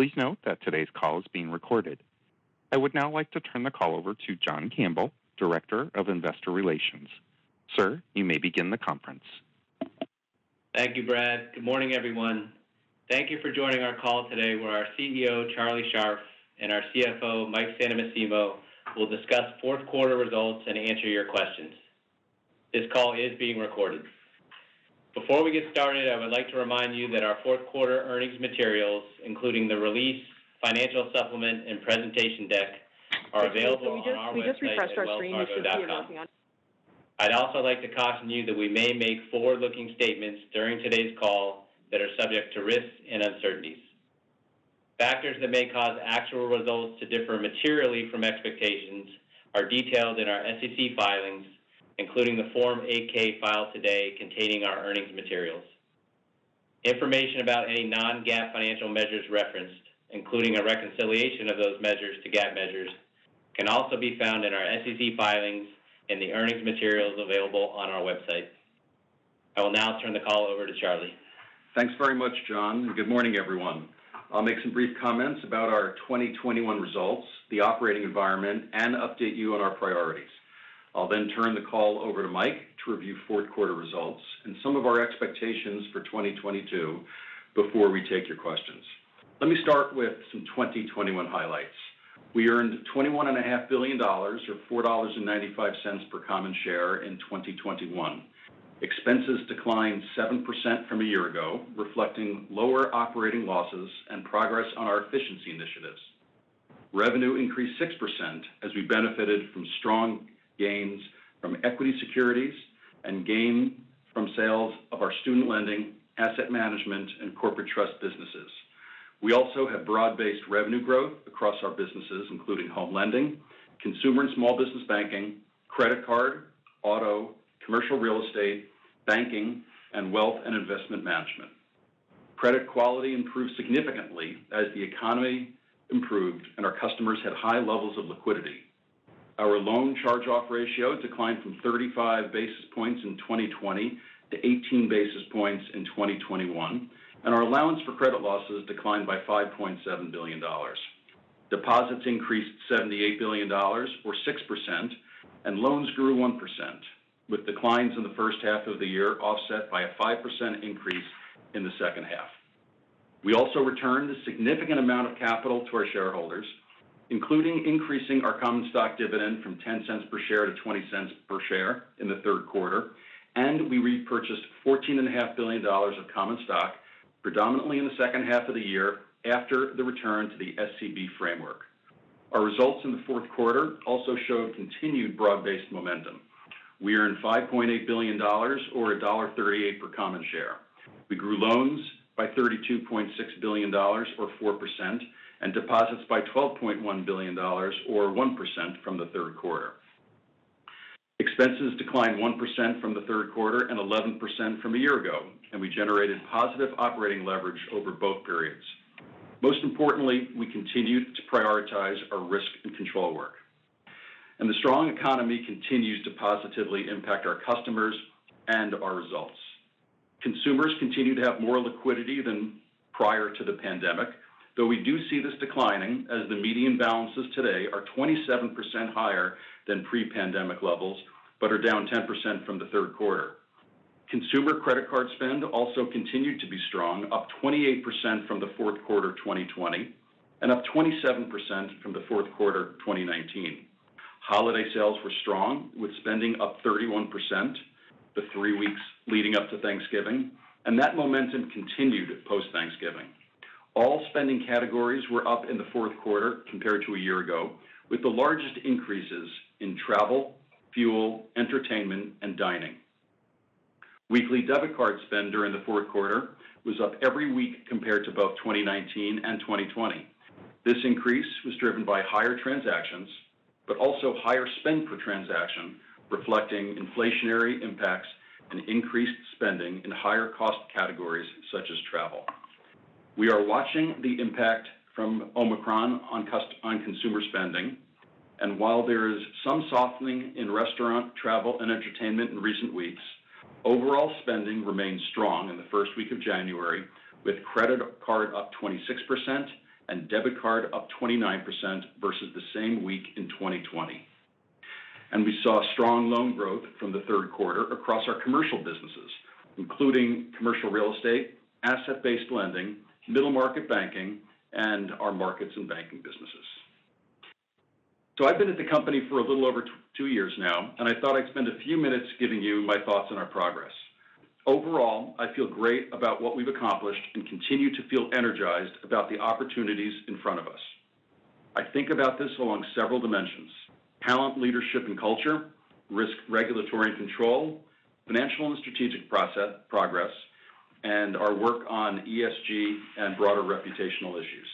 Please note that today's call is being recorded. I would now like to turn the call over to John Campbell, Director of Investor Relations. Sir, you may begin the conference. Thank you, Brad. Good morning, everyone. Thank you for joining our call today where our CEO, Charlie Scharf, and our CFO, Mike Santomassimo, will discuss Q4 results and answer your questions. This call is being recorded. Before we get started, I would like to remind you that our Q4 earnings materials, including the release, financial supplement, and presentation deck, are available on our website at wellsfargo.com. I'd also like to caution you that we may make forward-looking statements during today's call that are subject to risks and uncertainties. Factors that may cause actual results to differ materially from expectations are detailed in our SEC filings, including the Form 8-K filed today containing our earnings materials. Information about any non-GAAP financial measures referenced, including a reconciliation of those measures to GAAP measures, can also be found in our SEC filings and the earnings materials available on our website. I will now turn the call over to Charlie. Thanks very much, John, and good morning, everyone. I'll make some brief comments about our 2021 results, the operating environment, and update you on our priorities. I'll then turn the call over to Mike to review Q4 results and some of our expectations for 2022 before we take your questions. Let me start with some 2021 highlights. We earned $21.5 billion or $4.95 per common share in 2021. Expenses declined 7% from a year ago, reflecting lower operating losses and progress on our efficiency initiatives. Revenue increased 6% as we benefited from strong gains from equity securities and gain from sales of our Student Lending, Asset Management, and Corporate Trust businesses. We have broad-based revenue growth across our businesses, including Home Lending, Consumer and Small Business Banking, credit card, auto, commercial real estate, banking, and Wealth and Investment Management. Credit quality improved significantly as the economy improved and our customers had high levels of liquidity. Our loan charge-off ratio declined from 35 basis points in 2020 to 18 basis points in 2021, and our allowance for credit losses declined by $5.7 billion. Deposits increased $78 billion or 6%, and loans grew 1%, with declines in the first half of the year offset by a 5% increase in the second half. We also returned a significant amount of capital to our shareholders, including increasing our common stock dividend from $0.10 per share to $0.20 per share in the Q3, and we repurchased $14.5 billion of common stock predominantly in the second half of the year after the return to the SCB framework. Our results in the Q4 also showed continued broad-based momentum. We earned $5.8 billion or $1.38 per common share. We grew loans by $32.6 billion or 4% and deposits by $12.1 billion or 1% from the Q3. Expenses declined 1% from the Q3 and 11% from a year ago, and we generated positive operating leverage over both periods. Most importantly, we continued to prioritize our risk and control work. The strong economy continues to positively impact our customers and our results. Consumers continue to have more liquidity than prior to the pandemic, though we do see this declining as the median balances today are 27% higher than pre-pandemic levels, but are down 10% from the Q3. Consumer credit card spend also continued to be strong, up 28% from the Q4 of 2020 and up 27% from the Q4 of 2019. Holiday sales were strong, with spending up 31% the three weeks leading up to Thanksgiving, and that momentum continued post-Thanksgiving. All spending categories were up in the Q4 compared to a year ago, with the largest increases in travel, fuel, entertainment, and dining. Weekly debit card spend during the Q4 was up every week compared to both 2019 and 2020. This increase was driven by higher transactions but also higher spend per transaction, reflecting inflationary impacts and increased spending in higher cost categories such as travel. We are watching the impact from Omicron on consumer spending, and while there is some softening in restaurant, travel, and entertainment in recent weeks, overall spending remains strong in the first week of January, with credit card up 26% and debit card up 29% versus the same week in 2020. We saw strong loan growth from the Q3 across our commercial businesses, including commercial real estate, asset-based lending, middle market banking, and our markets and banking businesses. I've been at the company for a little over two years now, and I thought I'd spend a few minutes giving you my thoughts on our progress. Overall, I feel great about what we've accomplished and continue to feel energized about the opportunities in front of us. I think about this along several dimensions: talent, leadership, and culture, risk, regulatory, and control, financial and strategic progress, and our work on ESG and broader reputational issues.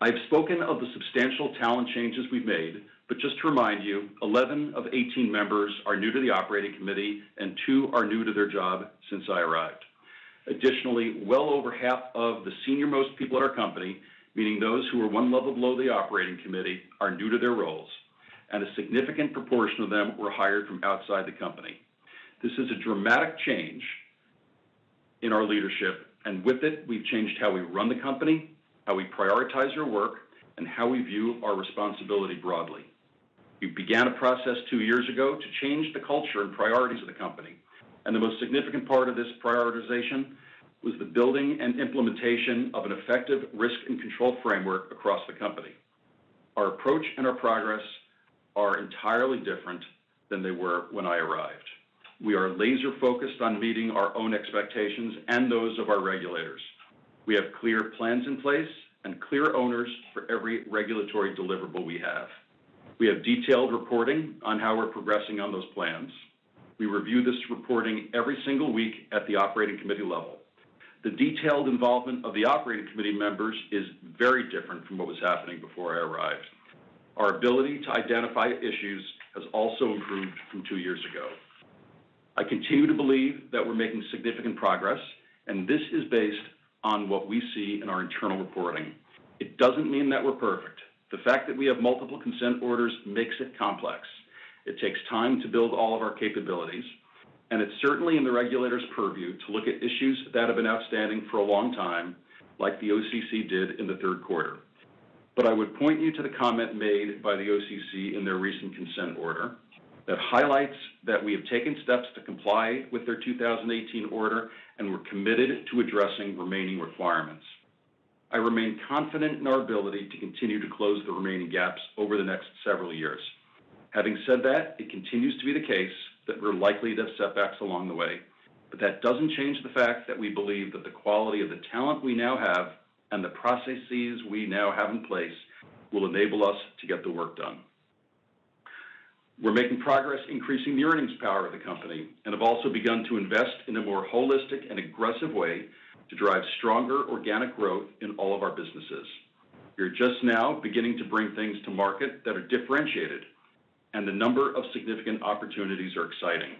I've spoken of the substantial talent changes we've made, but just to remind you, 11 of 18 members are new to the operating committee, and two are new to their job since I arrived. Additionally, well over half of the senior-most people at our company, meaning those who are one level below the operating committee, are new to their roles, and a significant proportion of them were hired from outside the company. This is a dramatic change in our leadership, and with it, we've changed how we run the company, how we prioritize your work, and how we view our responsibility broadly. We began a process two years ago to change the culture and priorities of the company, and the most significant part of this prioritization was the building and implementation of an effective risk and control framework across the company. Our approach and our progress are entirely different than they were when I arrived. We are laser-focused on meeting our own expectations and those of our regulators. We have clear plans in place and clear owners for every regulatory deliverable we have. We have detailed reporting on how we're progressing on those plans. We review this reporting every single week at the operating committee level. The detailed involvement of the operating committee members is very different from what was happening before I arrived. Our ability to identify issues has also improved from two years ago. I continue to believe that we're making significant progress, and this is based on what we see in our internal reporting. It doesn't mean that we're perfect. The fact that we have multiple consent orders makes it complex. It takes time to build all of our capabilities, and it's certainly in the regulator's purview to look at issues that have been outstanding for a long time, like the OCC did in the Q3. I would point you to the comment made by the OCC in their recent consent order that highlights that we have taken steps to comply with their 2018 order, and we're committed to addressing remaining requirements. I remain confident in our ability to continue to close the remaining gaps over the next several years. Having said that, it continues to be the case that we're likely to have setbacks along the way. That doesn't change the fact that we believe that the quality of the talent we now have and the processes we now have in place will enable us to get the work done. We're making progress increasing the earnings power of the company, and have also begun to invest in a more holistic and aggressive way to drive stronger organic growth in all of our businesses. We are just now beginning to bring things to market that are differentiated, and the number of significant opportunities are exciting.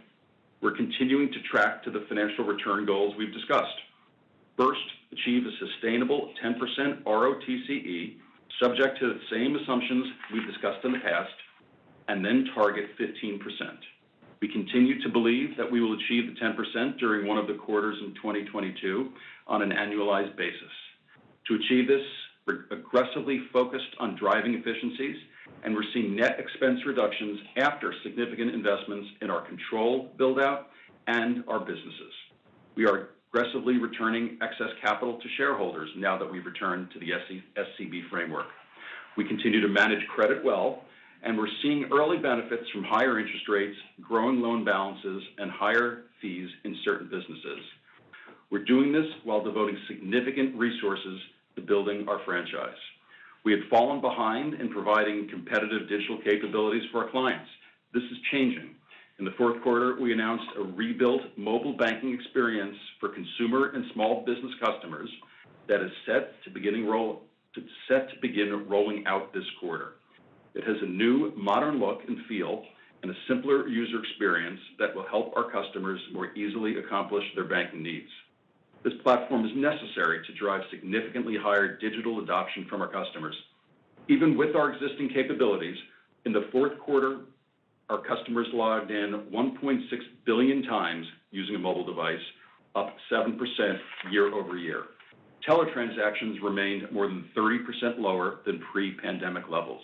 We're continuing to track to the financial return goals we've discussed. First, achieve a sustainable 10% ROTCE, subject to the same assumptions we've discussed in the past, and then target 15%. We continue to believe that we will achieve the 10% during one of the quarters in 2022 on an annualized basis. To achieve this, we're aggressively focused on driving efficiencies, and we're seeing net expense reductions after significant investments in our control build-out and our businesses. We are aggressively returning excess capital to shareholders now that we've returned to the SCB framework. We continue to manage credit well, and we're seeing early benefits from higher interest rates, growing loan balances, and higher fees in certain businesses. We're doing this while devoting significant resources to building our franchise. We had fallen behind in providing competitive digital capabilities for our clients. This is changing. In the Q4, we announced a rebuilt mobile banking experience for consumer and small business customers that is set to begin rolling out this quarter. It has a new modern look and feel and a simpler user experience that will help our customers more easily accomplish their banking needs. This platform is necessary to drive significantly higher digital adoption from our customers. Even with our existing capabilities, in the Q4, our customers logged in 1.6 billion times using a mobile device, up 7% year-over-year. Teletransactions remained more than 30% lower than pre-pandemic levels.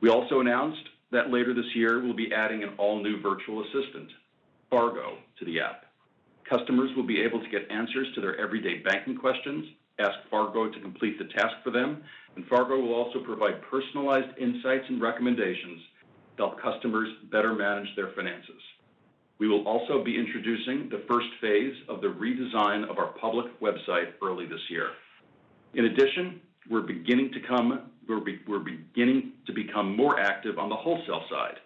We also announced that later this year, we'll be adding an all-new virtual assistant, Fargo, to the app. Customers will be able to get answers to their everyday banking questions, ask Fargo to complete the task for them, and Fargo will also provide personalized insights and recommendations to help customers better manage their finances. We will also be introducing the first phase of the redesign of our public website early this year. In addition, we're beginning to become more active on the wholesale side.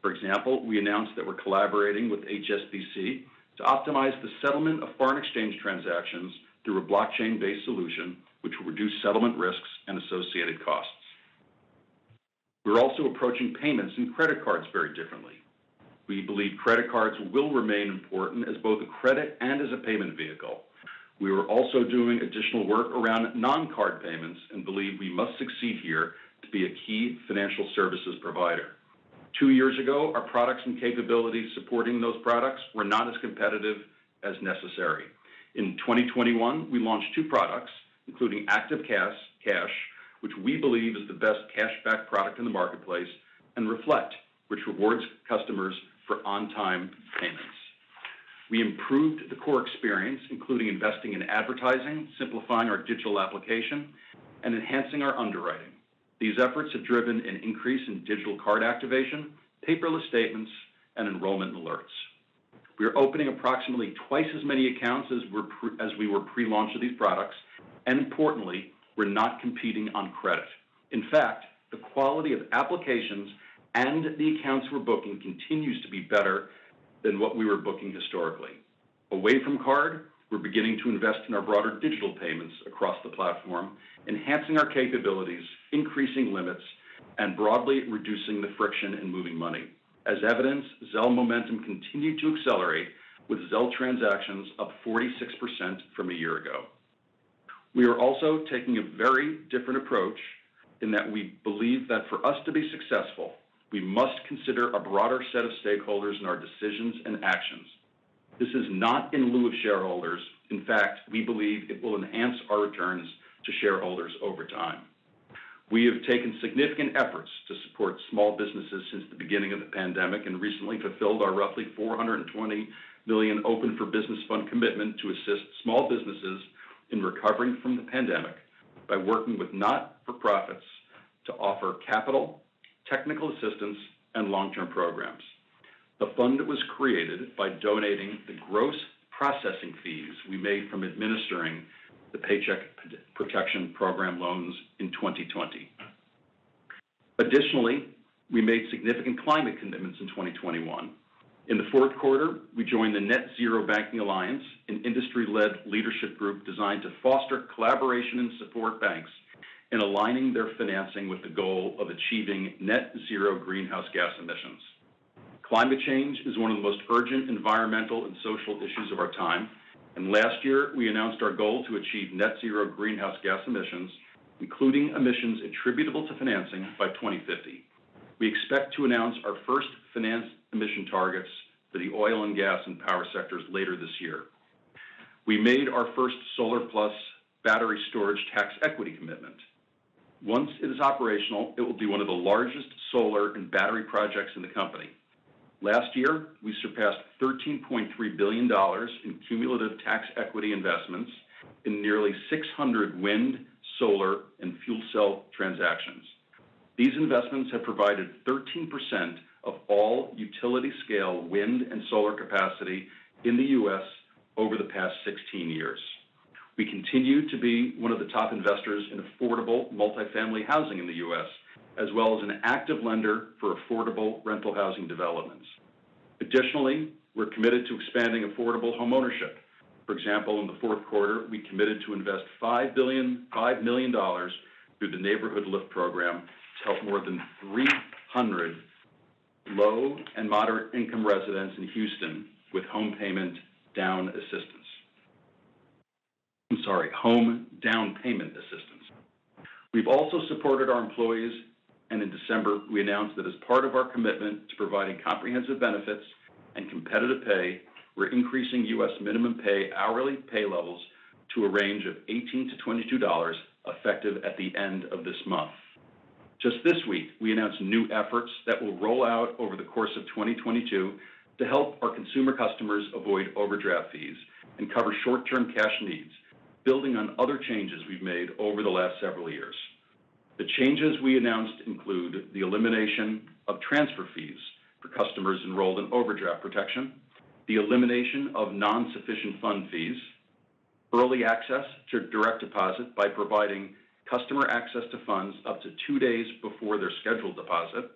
For example, we announced that we're collaborating with HSBC to optimize the settlement of foreign exchange transactions through a blockchain-based solution, which will reduce settlement risks and associated costs. We're also approaching payments and credit cards very differently. We believe credit cards will remain important as both a credit and as a payment vehicle. We are also doing additional work around non-card payments and believe we must succeed here to be a key financial services provider. Two years ago, our products and capabilities supporting those products were not as competitive as necessary. In 2021, we launched two products, including Active Cash, which we believe is the best cashback product in the marketplace, and Reflect, which rewards customers for on-time payments. We improved the core experience, including investing in advertising, simplifying our digital application, and enhancing our underwriting. These efforts have driven an increase in digital card activation, paperless statements, and enrollment alerts. We are opening approximately twice as many accounts as we were pre-launch of these products, and importantly, we're not competing on credit. In fact, the quality of applications and the accounts we're booking continues to be better than what we were booking historically. Away from card, we're beginning to invest in our broader digital payments across the platform, enhancing our capabilities, increasing limits, and broadly reducing the friction in moving money. As evidenced, Zelle momentum continued to accelerate with Zelle transactions up 46% from a year ago. We are also taking a very different approach in that we believe that for us to be successful, we must consider a broader set of stakeholders in our decisions and actions. This is not in lieu of shareholders. In fact, we believe it will enhance our returns to shareholders over time. We have taken significant efforts to support small businesses since the beginning of the pandemic, and recently fulfilled our roughly $420 million Open for Business Fund commitment to assist small businesses in recovering from the pandemic by working with not-for-profits to offer capital, technical assistance, and long-term programs. The fund was created by donating the gross processing fees we made from administering the Paycheck Protection Program loans in 2020. Additionally, we made significant climate commitments in 2021. In the Q4, we joined the Net-Zero Banking Alliance, an industry-led leadership group designed to foster collaboration and support banks in aligning their financing with the goal of achieving net-zero greenhouse gas emissions. Climate change is one of the most urgent environmental and social issues of our time, and last year we announced our goal to achieve Net-Zero greenhouse gas emissions, including emissions attributable to financing by 2050. We expect to announce our first finance emission targets for the oil and gas and power sectors later this year. We made our first solar plus battery storage tax equity commitment. Once it is operational, it will be one of the largest solar and battery projects in the company. Last year, we surpassed $13.3 billion in cumulative tax equity investments in nearly 600 wind, solar, and fuel cell transactions. These investments have provided 13% of all utility-scale wind and solar capacity in the U.S. over the past 16 years. We continue to be one of the top investors in affordable multi-family housing in the U.S., as well as an active lender for affordable rental housing developments. Additionally, we're committed to expanding affordable homeownership. For example, in the Q4, we committed to invest $5 million through the NeighborhoodLIFT program to help more than 300 low- and moderate-income residents in Houston with home down payment assistance. We've also supported our employees, and in December we announced that as part of our commitment to providing comprehensive benefits and competitive pay, we're increasing U.S. minimum hourly pay levels to a range of $18 to $22 effective at the end of this month. Just this week, we announced new efforts that will roll out over the course of 2022 to help our consumer customers avoid overdraft fees and cover short-term cash needs, building on other changes we've made over the last several years. The changes we announced include the elimination of transfer fees for customers enrolled in overdraft protection, the elimination of non-sufficient fund fees, early access to direct deposit by providing customer access to funds up to two days before their scheduled deposit,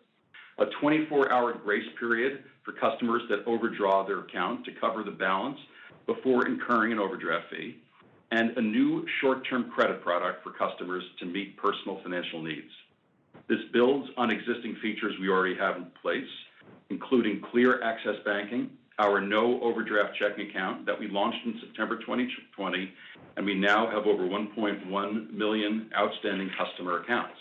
a 24-hour grace period for customers that overdraw their account to cover the balance before incurring an overdraft fee, and a new short-term credit product for customers to meet personal financial needs. This builds on existing features we already have in place, including Clear Access Banking, our no-overdraft checking account that we launched in September 2020, and we now have over 1.1 million outstanding customer accounts.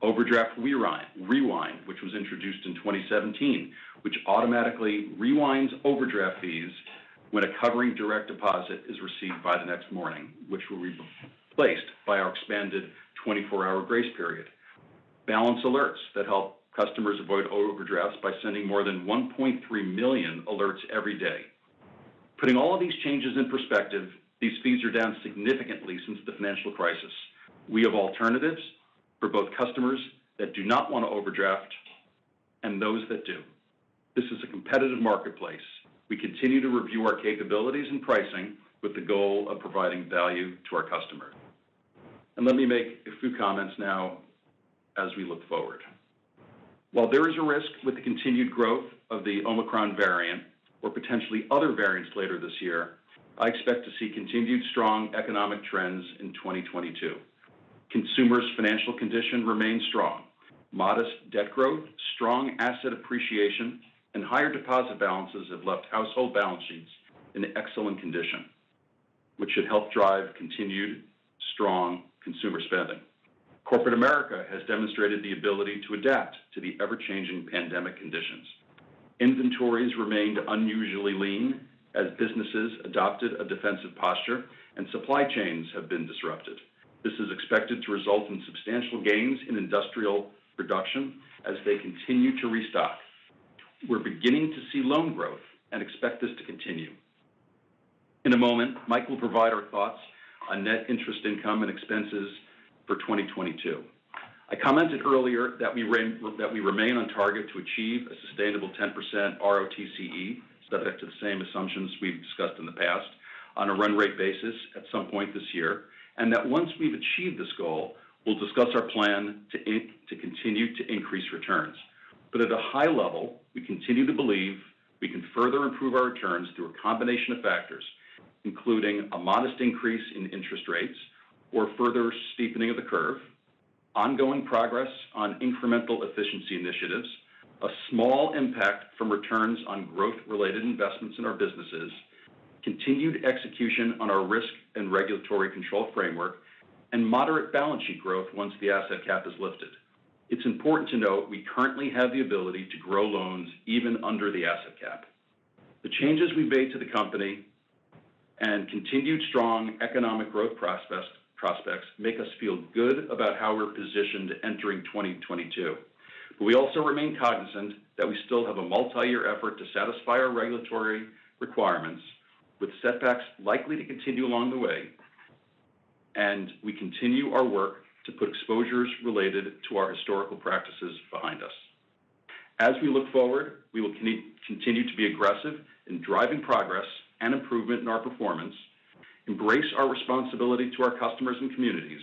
Overdraft Rewind, which was introduced in 2017, which automatically rewinds overdraft fees when a covering direct deposit is received by the next morning, which will be replaced by our expanded 24-hour grace period. Balance alerts that help customers avoid overdrafts by sending more than 1.3 million alerts every day. Putting all of these changes in perspective, these fees are down significantly since the financial crisis. We have alternatives for both customers that do not want to overdraft and those that do. This is a competitive marketplace. We continue to review our capabilities and pricing with the goal of providing value to our customer. Let me make a few comments now as we look forward. While there is a risk with the continued growth of the Omicron variant or potentially other variants later this year, I expect to see continued strong economic trends in 2022. Consumers' financial condition remains strong. Modest debt growth, strong asset appreciation, and higher deposit balances have left household balance sheets in excellent condition, which should help drive continued strong consumer spending. Corporate America has demonstrated the ability to adapt to the ever-changing pandemic conditions. Inventories remained unusually lean as businesses adopted a defensive posture and supply chains have been disrupted. This is expected to result in substantial gains in industrial production as they continue to restock. We're beginning to see loan growth and expect this to continue. In a moment, Mike will provide our thoughts on net interest income and expenses for 2022. I commented earlier that we remain on target to achieve a sustainable 10% ROTCE, subject to the same assumptions we've discussed in the past, on a run rate basis at some point this year, and that once we've achieved this goal, we'll discuss our plan to continue to increase returns. At a high level, we continue to believe we can further improve our returns through a combination of factors, including a modest increase in interest rates or further steepening of the curve, ongoing progress on incremental efficiency initiatives, a small impact from returns on growth-related investments in our businesses, continued execution on our risk and regulatory control framework, and moderate balance sheet growth once the asset cap is lifted. It's important to note we currently have the ability to grow loans even under the asset cap. The changes we've made to the company and continued strong economic growth prospects make us feel good about how we're positioned entering 2022. We also remain cognizant that we still have a multi-year effort to satisfy our regulatory requirements, with setbacks likely to continue along the way, and we continue our work to put exposures related to our historical practices behind us. As we look forward, we will continue to be aggressive in driving progress and improvement in our performance, embrace our responsibility to our customers and communities,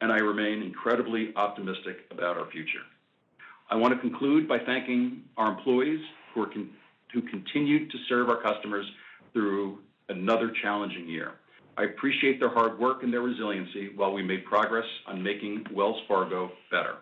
and I remain incredibly optimistic about our future. I want to conclude by thanking our employees who continued to serve our customers through another challenging year. I appreciate their hard work and their resiliency while we made progress on making Wells Fargo better.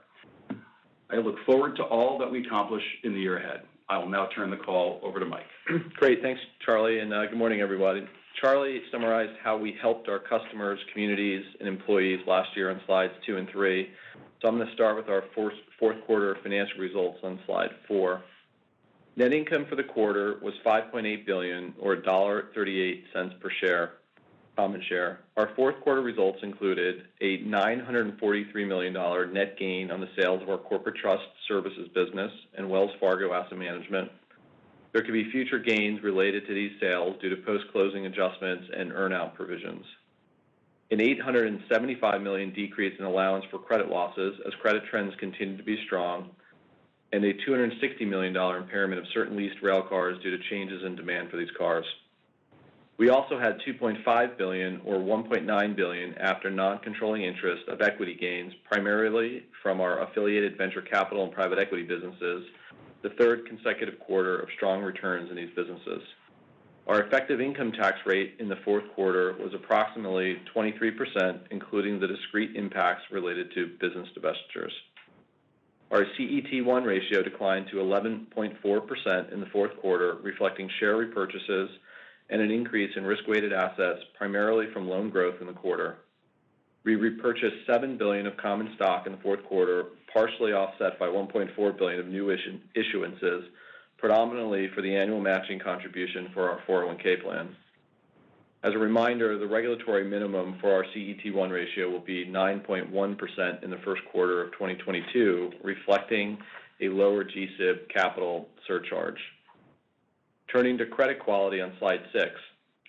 I look forward to all that we accomplish in the year ahead. I will now turn the call over to Mike. Great. Thanks, Charlie, and good morning, everybody. Charlie summarized how we helped our customers, communities, and employees last year on slides 2 and 3. I'm gonna start with our Q4 financial results on slide 4. Net income for the quarter was $5.8 billion or $1.38 per common share. Our Q4 results included a $943 million net gain on the sales of our Corporate Trust Services business and Wells Fargo Asset Management. There could be future gains related to these sales due to post-closing adjustments and earn-out provisions. Our Q4 results included an $875 million decrease in allowance for credit losses as credit trends continue to be strong, and a $260 million impairment of certain leased rail cars due to changes in demand for these cars. We had $2.5 billion or $1.9 billion after non-controlling interest of equity gains, primarily from our affiliated venture capital and private equity businesses, the third consecutive quarter of strong returns in these businesses. Our effective income tax rate in the Q4 was approximately 23%, including the discrete impacts related to business divestitures. Our CET1 ratio declined to 11.4% in the Q4, reflecting share repurchases and an increase in risk-weighted assets, primarily from loan growth in the quarter. We repurchased $7 billion of common stock in the Q4, partially offset by $1.4 billion of new issuances, predominantly for the annual matching contribution for our 401(k) Plan. As a reminder, the regulatory minimum for our CET1 ratio will be 9.1% in the Q1 of 2022, reflecting a lower G-SIB capital surcharge. Turning to credit quality on slide 6,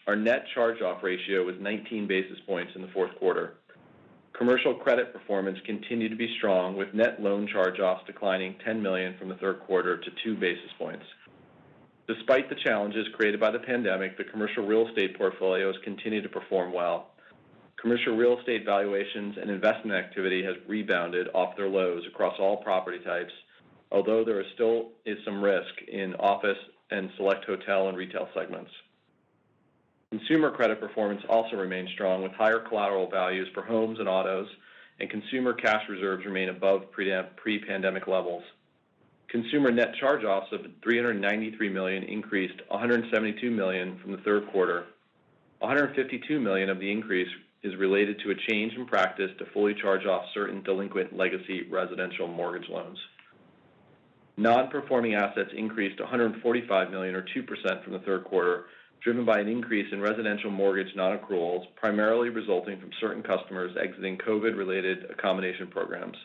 our net charge-off ratio was 19 basis points in the Q4. Commercial credit performance continued to be strong, with net loan charge-offs declining $10 million from the Q3 to 2 basis points. Despite the challenges created by the pandemic, the commercial real estate portfolios continued to perform well. Commercial real estate valuations and investment activity has rebounded off their lows across all property types, although there still is some risk in office and select hotel and retail segments. Consumer credit performance also remained strong, with higher collateral values for homes and autos, and consumer cash reserves remain above pre-pandemic levels. Consumer net charge-offs of $393 million increased $172 million from the Q3. $152 million of the increase is related to a change in practice to fully charge off certain delinquent legacy residential mortgage loans. Non-performing assets increased $145 million or 2% from the Q3, driven by an increase in residential mortgage non-accruals, primarily resulting from certain customers exiting COVID-related accommodation programs.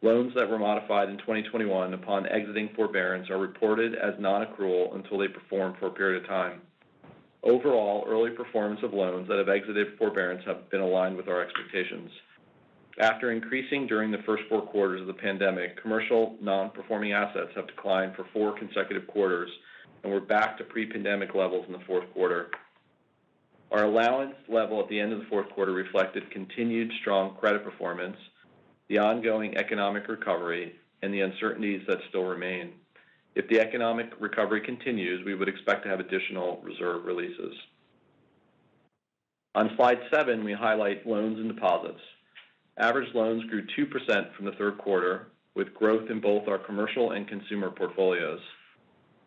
Loans that were modified in 2021 upon exiting forbearance are reported as non-accrual until they perform for a period of time. Overall, early performance of loans that have exited forbearance have been aligned with our expectations. After increasing during the first four quarters of the pandemic, commercial non-performing assets have declined for four consecutive quarters, and we're back to pre-pandemic levels in the Q4. Our allowance level at the end of the Q4 reflected continued strong credit performance, the ongoing economic recovery, and the uncertainties that still remain. If the economic recovery continues, we would expect to have additional reserve releases. On Slide 7, we highlight loans and deposits. Average loans grew 2% from the Q3, with growth in both our commercial and consumer portfolios.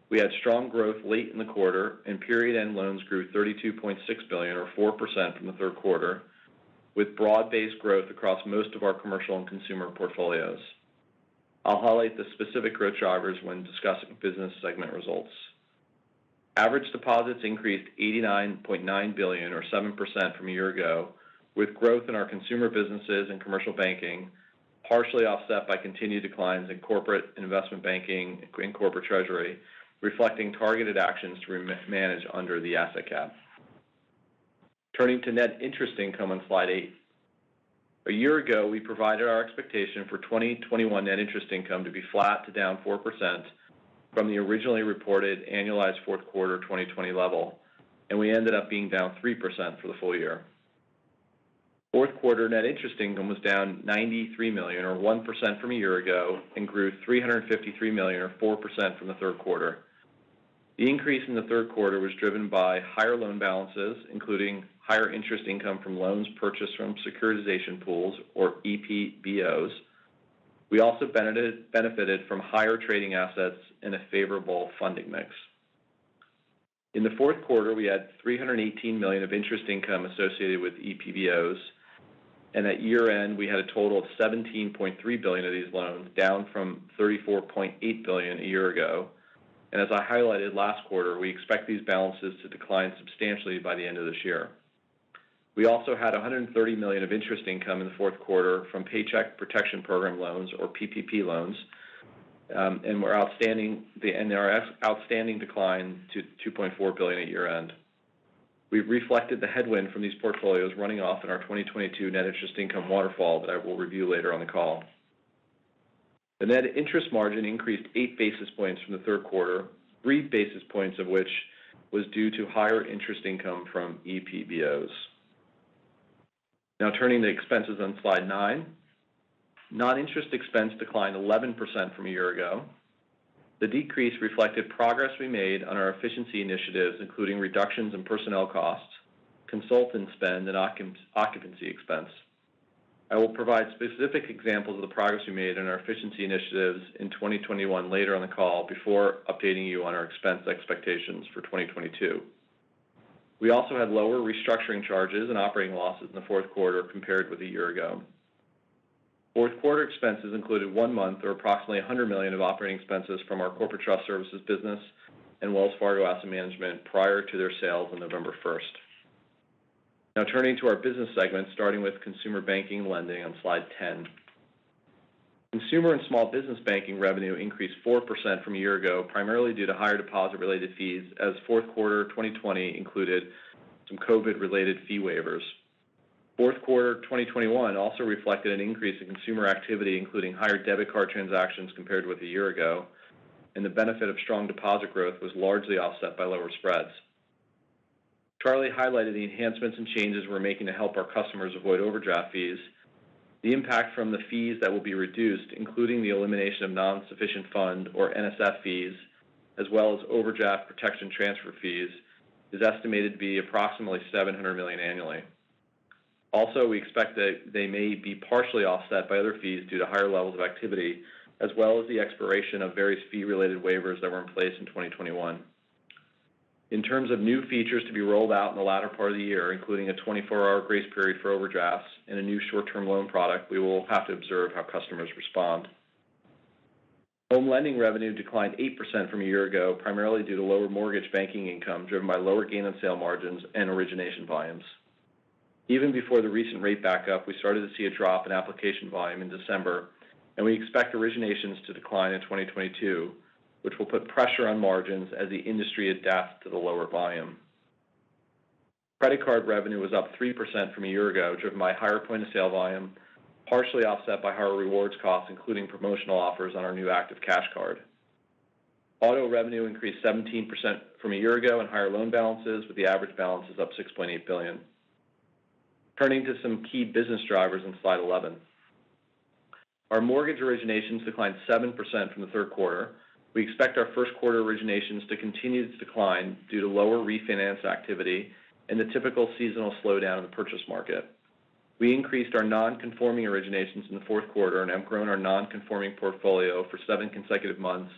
We had strong growth late in the quarter, and period-end loans grew $32.6 billion or 4% from the Q3, with broad-based growth across most of our commercial and consumer portfolios. I'll highlight the specific growth drivers when discussing business segment results. Average deposits increased $89.9 billion or 7% from a year ago, with growth in our consumer businesses and Commercial Banking, partially offset by continued declines in Corporate and Investment Banking and corporate treasury, reflecting targeted actions to re-manage under the asset cap. Turning to net interest income on slide 8. A year ago, we provided our expectation for 2021 net interest income to be flat to down 4% from the originally reported annualized Q4 2020 level, and we ended up being down 3% for the full year. Q4 net interest income was down $93 million or 1% from a year ago and grew $353 million or 4% from the Q3. the increase in the Q3 was driven by higher loan balances, including higher interest income from loans purchased from securitization pools, or EPBOs. We benefited from higher trading assets and a favorable funding mix. In the Q4, we had $318 million of interest income associated with EPBOs, and at year-end, we had a total of $17.3 billion of these loans, down from $34.8 billion a year ago. As I highlighted last quarter, we expect these balances to decline substantially by the end of this year. We also had $130 million of interest income in the Q4 from Paycheck Protection Program loans, or PPP loans. Our outstanding balances declined to $2.4 billion at year-end. We've reflected the headwind from these portfolios running off in our 2022 net interest income waterfall that I will review later on the call. The net interest margin increased 8 basis points from the Q3, 3 basis points of which was due to higher interest income from EPBOs. Now turning to expenses on slide 9. Non-interest expense declined 11% from a year ago. The decrease reflected progress we made on our efficiency initiatives, including reductions in personnel costs, consultant spend, and occupancy expense. I will provide specific examples of the progress we made in our efficiency initiatives in 2021 later on the call before updating you on our expense expectations for 2022. We also had lower restructuring charges and operating losses in the Q4 compared with a year ago. Q4 expenses included one month or approximately $100 million of operating expenses from our Corporate Trust Services business and Wells Fargo Asset Management prior to their sales on 1 November.. Now turning to our business segments, starting with Consumer Banking and Lending on slide 10. Consumer and Small Business Banking revenue increased 4% from a year ago, primarily due to higher deposit-related fees, as Q4 2020 included some COVID-related fee waivers. Q4 2021 also reflected an increase in consumer activity, including higher debit card transactions compared with a year ago, and the benefit of strong deposit growth was largely offset by lower spreads. Charlie highlighted the enhancements and changes we're making to help our customers avoid overdraft fees. The impact from the fees that will be reduced, including the elimination of non-sufficient fund or NSF fees, as well as overdraft protection transfer fees, is estimated to be approximately $700 million annually. Also, we expect that they may be partially offset by other fees due to higher levels of activity, as well as the expiration of various fee-related waivers that were in place in 2021. In terms of new features to be rolled out in the latter part of the year, including a 24-hour grace period for overdrafts and a new short-term loan product, we will have to observe how customers respond. Home Lending revenue declined 8% from a year ago, primarily due to lower mortgage banking income, driven by lower gain on sale margins and origination volumes. Even before the recent rate backup, we started to see a drop in application volume in December, and we expect originations to decline in 2022, which will put pressure on margins as the industry adapts to the lower volume. Credit card revenue was up 3% from a year ago, driven by higher point-of-sale volume, partially offset by higher rewards costs, including promotional offers on our new Active Cash Card. Auto revenue increased 17% from a year ago and higher loan balances, with the average balances up $6.8 billion. Turning to some key business drivers on slide 11. Our mortgage originations declined 7% from the Q3. We expect our Q1 originations to continue to decline due to lower refinance activity and the typical seasonal slowdown in the purchase market. We increased our non-conforming originations in the Q4 and have grown our non-conforming portfolio for seven consecutive months,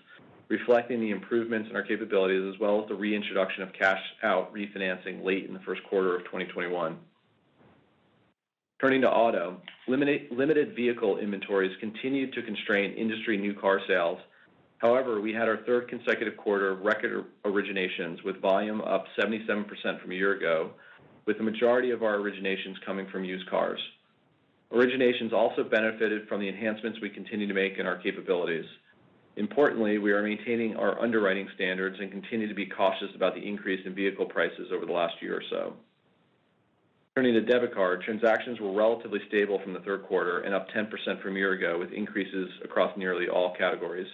reflecting the improvements in our capabilities as well as the reintroduction of cash-out refinancing late in the Q1 of 2021. Turning to auto. Limited vehicle inventories continued to constrain industry new car sales. However, we had our third consecutive quarter of record originations, with volume up 77% from a year ago, with the majority of our originations coming from used cars. Originations also benefited from the enhancements we continue to make in our capabilities. Importantly, we are maintaining our underwriting standards and continue to be cautious about the increase in vehicle prices over the last year or so. Turning to debit card, transactions were relatively stable from the Q3 and up 10% from a year ago, with increases across nearly all categories.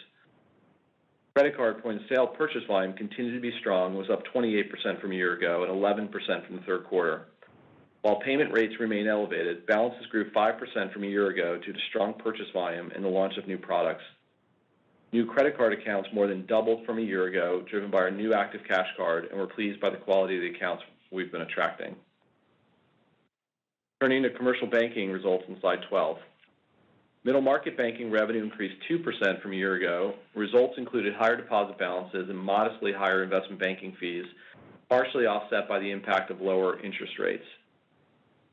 Credit card point-of-sale purchase volume continued to be strong, was up 28% from a year ago and 11% from the Q3. While payment rates remain elevated, balances grew 5% from a year ago due to strong purchase volume and the launch of new products. New credit card accounts more than doubled from a year ago, driven by our new Active Cash Card, and we're pleased by the quality of the accounts we've been attracting. Turning to Commercial Banking results on slide 12. Middle Market Banking revenue increased 2% from a year ago. Results included higher deposit balances and modestly higher investment banking fees, partially offset by the impact of lower interest rates.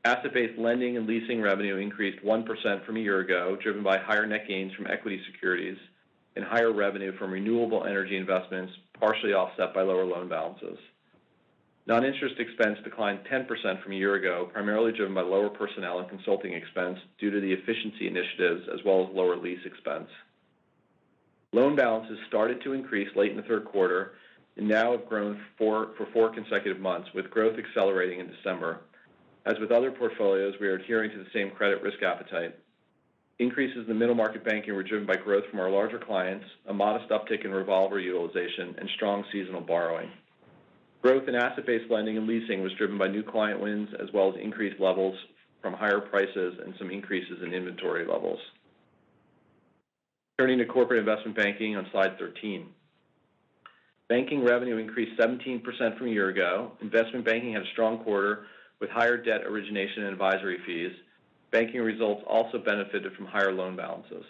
Asset-Based Lending and Leasing revenue increased 1% from a year ago, driven by higher net gains from equity securities and higher revenue from renewable energy investments, partially offset by lower loan balances. Non-interest expense declined 10% from a year ago, primarily driven by lower personnel and consulting expense due to the efficiency initiatives as well as lower lease expense. Loan balances started to increase late in the Q3 and now have grown for four consecutive months, with growth accelerating in December. As with other portfolios, we are adhering to the same credit risk appetite. Increases in the Middle Market Banking were driven by growth from our larger clients, a modest uptick in revolver utilization, and strong seasonal borrowing. Growth in Asset-Based Lending and Leasing was driven by new client wins as well as increased levels from higher prices and some increases in inventory levels. Turning to Corporate and Investment Banking on slide 13. Banking revenue increased 17% from a year ago investment banking had a strong quarter with higher debt origination and advisory fees. Banking results also benefited from higher loan balances.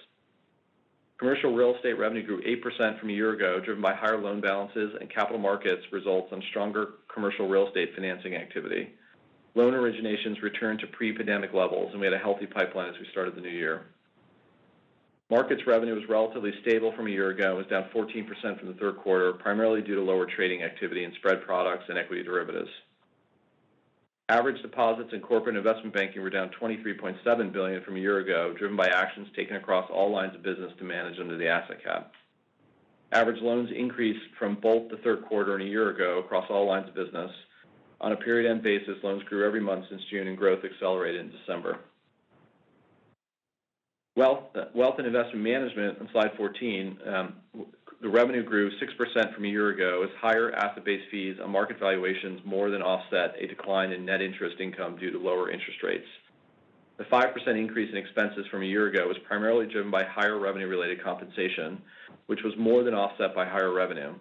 Commercial real estate revenue grew 8% from a year ago, driven by higher loan balances and capital markets results on stronger commercial real estate financing activity. Loan originations returned to pre-pandemic levels, and we had a healthy pipeline as we started the new year. Markets revenue was relatively stable from a year ago and was down 14% from the Q3, primarily due to lower trading activity and spread products and equity derivatives. Average deposits in Corporate and Investment Banking were down $23.7 billion from a year ago, driven by actions taken across all lines of business to manage under the asset cap. Average loans increased from both the Q3 and a year ago across all lines of business. On a period end basis, loans grew every month since June and growth accelerated in December. Wealth and Investment Management on slide 14, the revenue grew 6% from a year ago as higher asset-based fees on market valuations more than offset a decline in net interest income due to lower interest rates. The 5% increase in expenses from a year ago was primarily driven by higher revenue-related compensation, which was more than offset by higher revenue.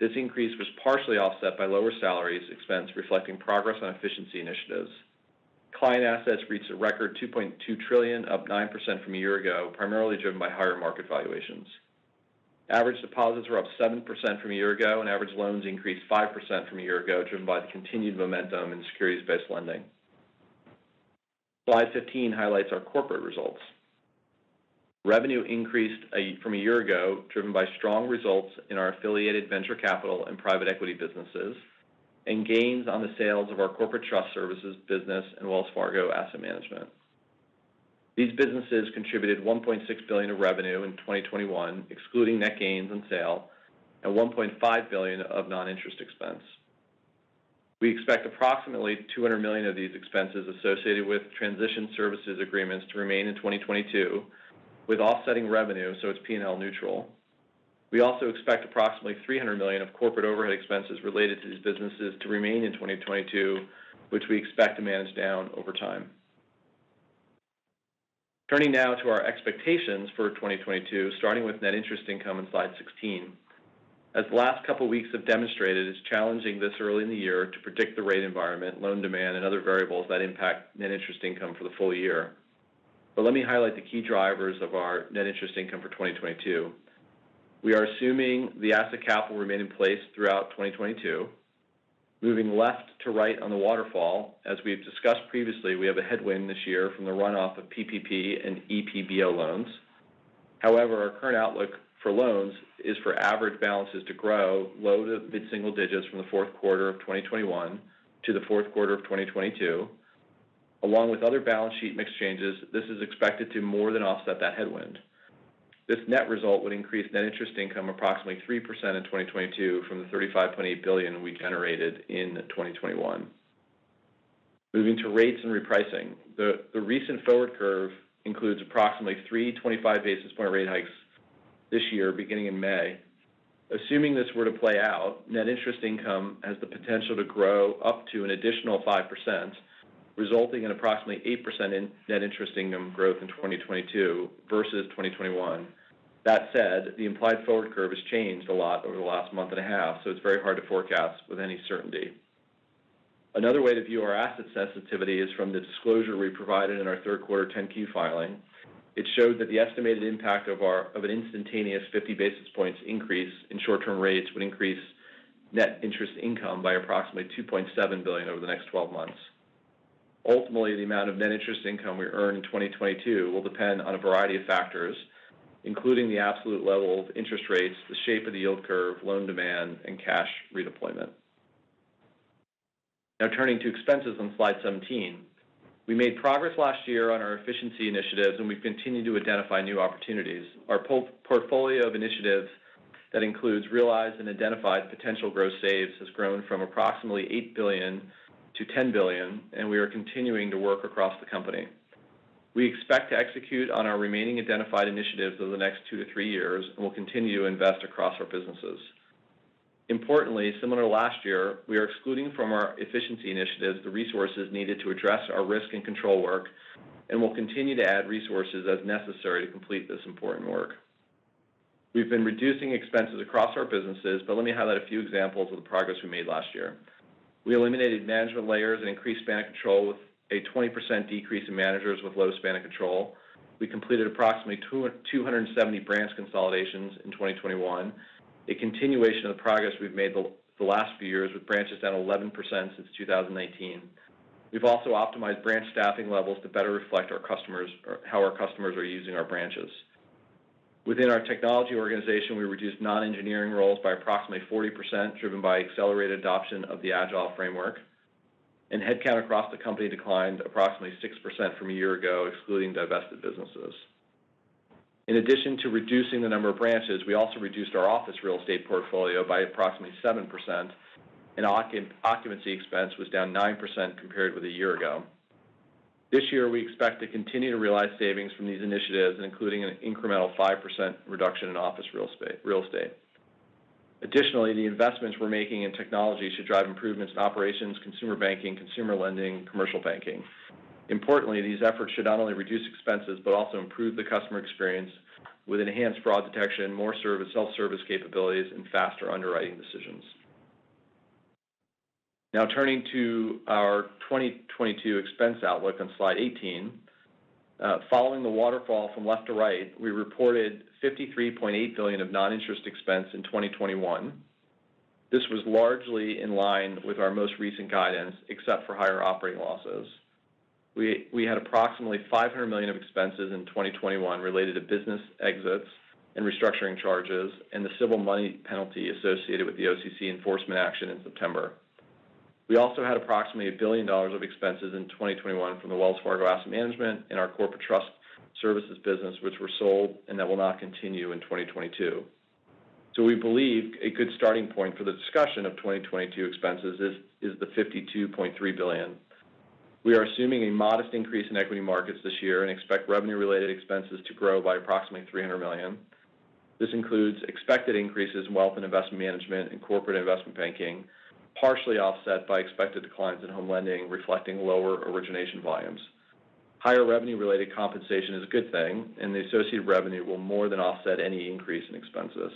This increase was partially offset by lower salaries expense reflecting progress on efficiency initiatives. Client assets reached a record $2.2 trillion, up 9% from a year ago, primarily driven by higher market valuations. Average deposits were up 7% from a year ago, and average loans increased 5% from a year ago, driven by the continued momentum in securities-based lending. Slide 15 highlights our corporate results. Revenue increased from a year ago, driven by strong results in our affiliated venture capital and private equity businesses and gains on the sales of our Corporate Trust Services business and Wells Fargo Asset Management. These businesses contributed $1.6 billion of revenue in 2021, excluding net gains on sale, and $1.5 billion of non-interest expense. We expect approximately $200 million of these expenses associated with transition services agreements to remain in 2022 with offsetting revenue, so it's P&L neutral. We also expect approximately $300 million of corporate overhead expenses related to these businesses to remain in 2022, which we expect to manage down over time. Turning now to our expectations for 2022, starting with net interest income in slide 16. As the last couple weeks have demonstrated, it's challenging this early in the year to predict the rate environment, loan demand, and other variables that impact net interest income for the full year. Let me highlight the key drivers of our net interest income for 2022. We are assuming the asset cap will remain in place throughout 2022. Moving left to right on the waterfall, as we've discussed previously, we have a headwind this year from the runoff of PPP and EPBO loans. However, our current outlook for loans is for average balances to grow low- to mid-single-digit % from the Q4 of 2021 to the Q4 of 2022. Along with other balance sheet mix changes, this is expected to more than offset that headwind. This net result would increase net interest income approximately 3% in 2022 from the $35.8 billion we generated in 2021. Moving to rates and repricing the recent forward curve includes approximately 325 basis point rate hikes this year, beginning in May. Assuming this were to play out, net interest income has the potential to grow up to an additional 5%, resulting in approximately 8% in net interest income growth in 2022 versus 2021. That said, the implied forward curve has changed a lot over the last month and a half, so it's very hard to forecast with any certainty. Another way to view our asset sensitivity is from the disclosure we provided in our Q3 10-Q filing. It showed that the estimated impact of an instantaneous 50 basis points increase in short-term rates would increase net interest income by approximately $2.7 billion over the next 12 months. Ultimately, the amount of net interest income we earn in 2022 will depend on a variety of factors, including the absolute level of interest rates, the shape of the yield curve, loan demand, and cash redeployment. Now turning to expenses on slide 17. We made progress last year on our efficiency initiatives, and we've continued to identify new opportunities our portfolio of initiatives that includes realized and identified potential cost savings has grown from approximately $8 to 10 billion, and we are continuing to work across the company. We expect to execute on our remaining identified initiatives over the next two to three years, and we'll continue to invest across our businesses. Importantly, similar to last year, we are excluding from our efficiency initiatives the resources needed to address our risk and control work, and we'll continue to add resources as necessary to complete this important work. We've been reducing expenses across our businesses, but let me highlight a few examples of the progress we made last year. We eliminated management layers and increased span of control with a 20% decrease in managers with low span of control. We completed approximately 270 branch consolidations in 2021, a continuation of the progress we've made the last few years with branches down 11% since 2018. We've also optimized branch staffing levels to better reflect our customers or how our customers are using our branches. Within our technology organization, we reduced non-engineering roles by approximately 40%, driven by accelerated adoption of the Agile framework. Headcount across the company declined approximately 6% from a year ago, excluding divested businesses. In addition to reducing the number of branches, we also reduced our office real estate portfolio by approximately 7%, and occupancy expense was down 9% compared with a year ago. This year, we expect to continue to realize savings from these initiatives, including an incremental 5% reduction in office real estate. Additionally, the investments we're making in technology should drive improvements to operations, consumer banking, consumer lending, commercial banking. Importantly, these efforts should not only reduce expenses, but also improve the customer experience with enhanced fraud detection, more self-service capabilities, and faster underwriting decisions. Now turning to our 2022 expense outlook on slide 18. Following the waterfall from left to right, we reported $53.8 billion of non-interest expense in 2021. This was largely in line with our most recent guidance, except for higher operating losses. We had approximately $500 million of expenses in 2021 related to business exits and restructuring charges and the civil money penalty associated with the OCC enforcement action in September. We also had approximately $1 billion of expenses in 2021 from the Wells Fargo Asset Management and our Corporate Trust Services business, which were sold, and that will not continue in 2022. We believe a good starting point for the discussion of 2022 expenses is the $52.3 billion. We are assuming a modest increase in equity markets this year and expect revenue-related expenses to grow by approximately $300 million. This includes expected increases in Wealth and Investment Management and corporate investment banking, partially offset by expected declines in Home Lending, reflecting lower origination volumes. Higher revenue-related compensation is a good thing, and the associated revenue will more than offset any increase in expenses.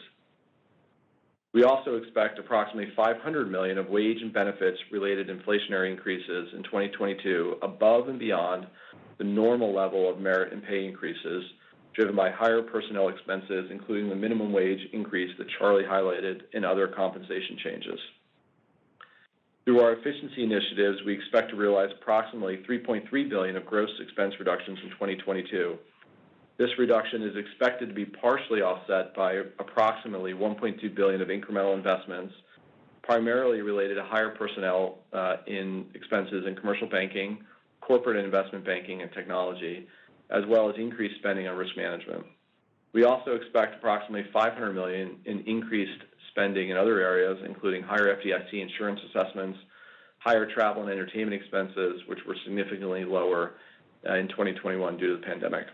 We also expect approximately $500 million of wage and benefits-related inflationary increases in 2022 above and beyond the normal level of merit and pay increases, driven by higher personnel expenses, including the minimum wage increase that Charlie highlighted and other compensation changes. Through our efficiency initiatives, we expect to realize approximately $3.3 billion of gross expense reductions in 2022. This reduction is expected to be partially offset by approximately $1.2 billion of incremental investments, primarily related to higher personnel expenses in Commercial Banking, corporate investment banking, and technology, as well as increased spending on risk management. We also expect approximately $500 million in increased spending in other areas, including higher FDIC insurance assessments, higher travel and entertainment expenses, which were significantly lower in 2021 due to the pandemic.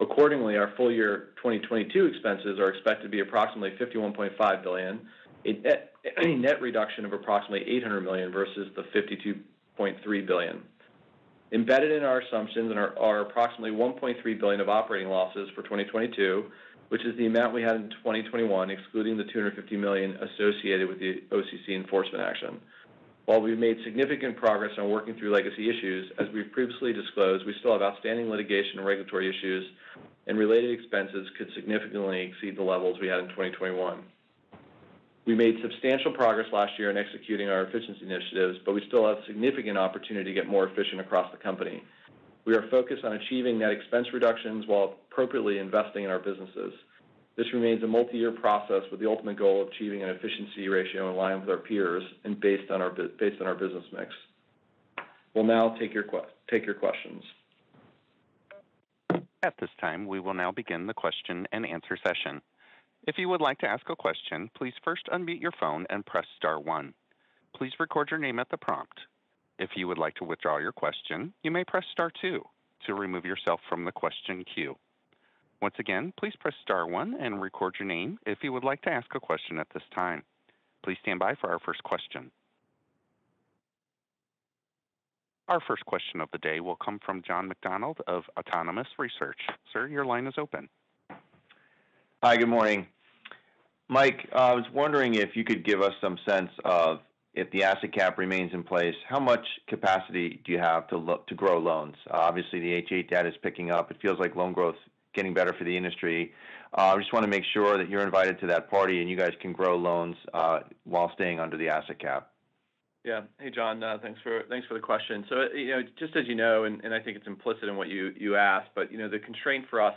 Accordingly, our full year 2022 expenses are expected to be approximately $51.5 billion, a net reduction of approximately $800 million versus the $52.3 billion. Embedded in our assumptions are approximately $1.3 billion of operating losses for 2022, which is the amount we had in 2021, excluding the $250 million associated with the OCC enforcement action. While we've made significant progress on working through legacy issues, as we've previously disclosed, we still have outstanding litigation and regulatory issues, and related expenses could significantly exceed the levels we had in 2021. We made substantial progress last year in executing our efficiency initiatives, but we still have significant opportunity to get more efficient across the company. We are focused on achieving net expense reductions while appropriately investing in our businesses. This remains a multi-year process with the ultimate goal of achieving an efficiency ratio in line with our peers and based on our business mix. We'll now take your questions. At this time, we will now begin the question and answer session. If you would like to ask a question, please first unmute your phone and press star one. Please record your name at the prompt. If you would like to withdraw your question, you may press star two to remove yourself from the question queue. Once again, please press star one and record your name if you would like to ask a question at this time. Please stand by for our first question. Our first question of the day will come from John McDonald of Autonomous Research. Sir, your line is open. Hi, good morning. Mike, I was wondering if you could give us some sense of, if the asset cap remains in place, how much capacity do you have to grow loans? Obviously, the [unintelligible] data is picking up. It feels like loan growth is getting better for the industry. I just want to make sure that you're invited to that party, and you guys can grow loans, while staying under the asset cap. Hey, John. Thanks for the question. You know, just as you know, I think it's implicit in what you asked, but you know, the constraint for us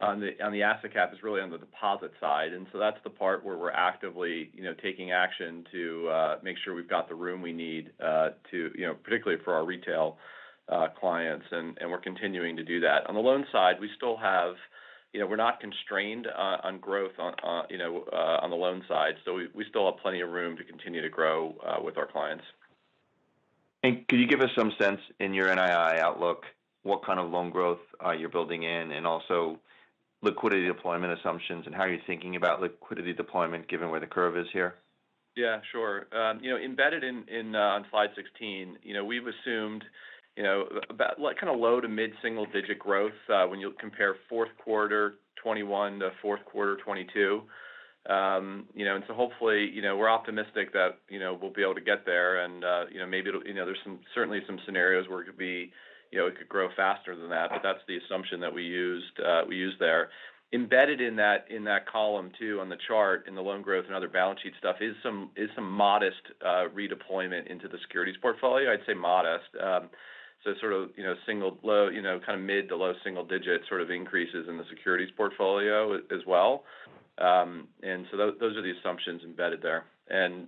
on the asset cap is really on the deposit side that's the part where we're actively you know taking action to make sure we've got the room we need to you know particularly for our retail clients, and we're continuing to do that on the loan side, you know, we're not constrained on growth you know on the loan side, so we still have plenty of room to continue to grow with our clients. Could you give us some sense in your NII outlook, what kind of loan growth you're building in, and also liquidity deployment assumptions and how you're thinking about liquidity deployment given where the curve is here? Yeah, sure. You know, embedded in on slide 16, you know, we've assumed, you know, about like kind of low- to mid-single-digit growth when you compare Q4 2021 to Q4 2022. You know, hopefully, you know, we're optimistic that, you know, we'll be able to get there and, you know, maybe it'll you know, there's some certainly some scenarios where it could be. You know, it could grow faster than that, that's the assumption that we used there. Embedded in that column too, on the chart in the loan growth and other balance sheet stuff is some modest redeployment into the securities portfolio i'd say modest. Sort of, you know, single low, you know, kind of mid- to low-single-digit sort of increases in the securities portfolio as well. Those are the assumptions embedded there.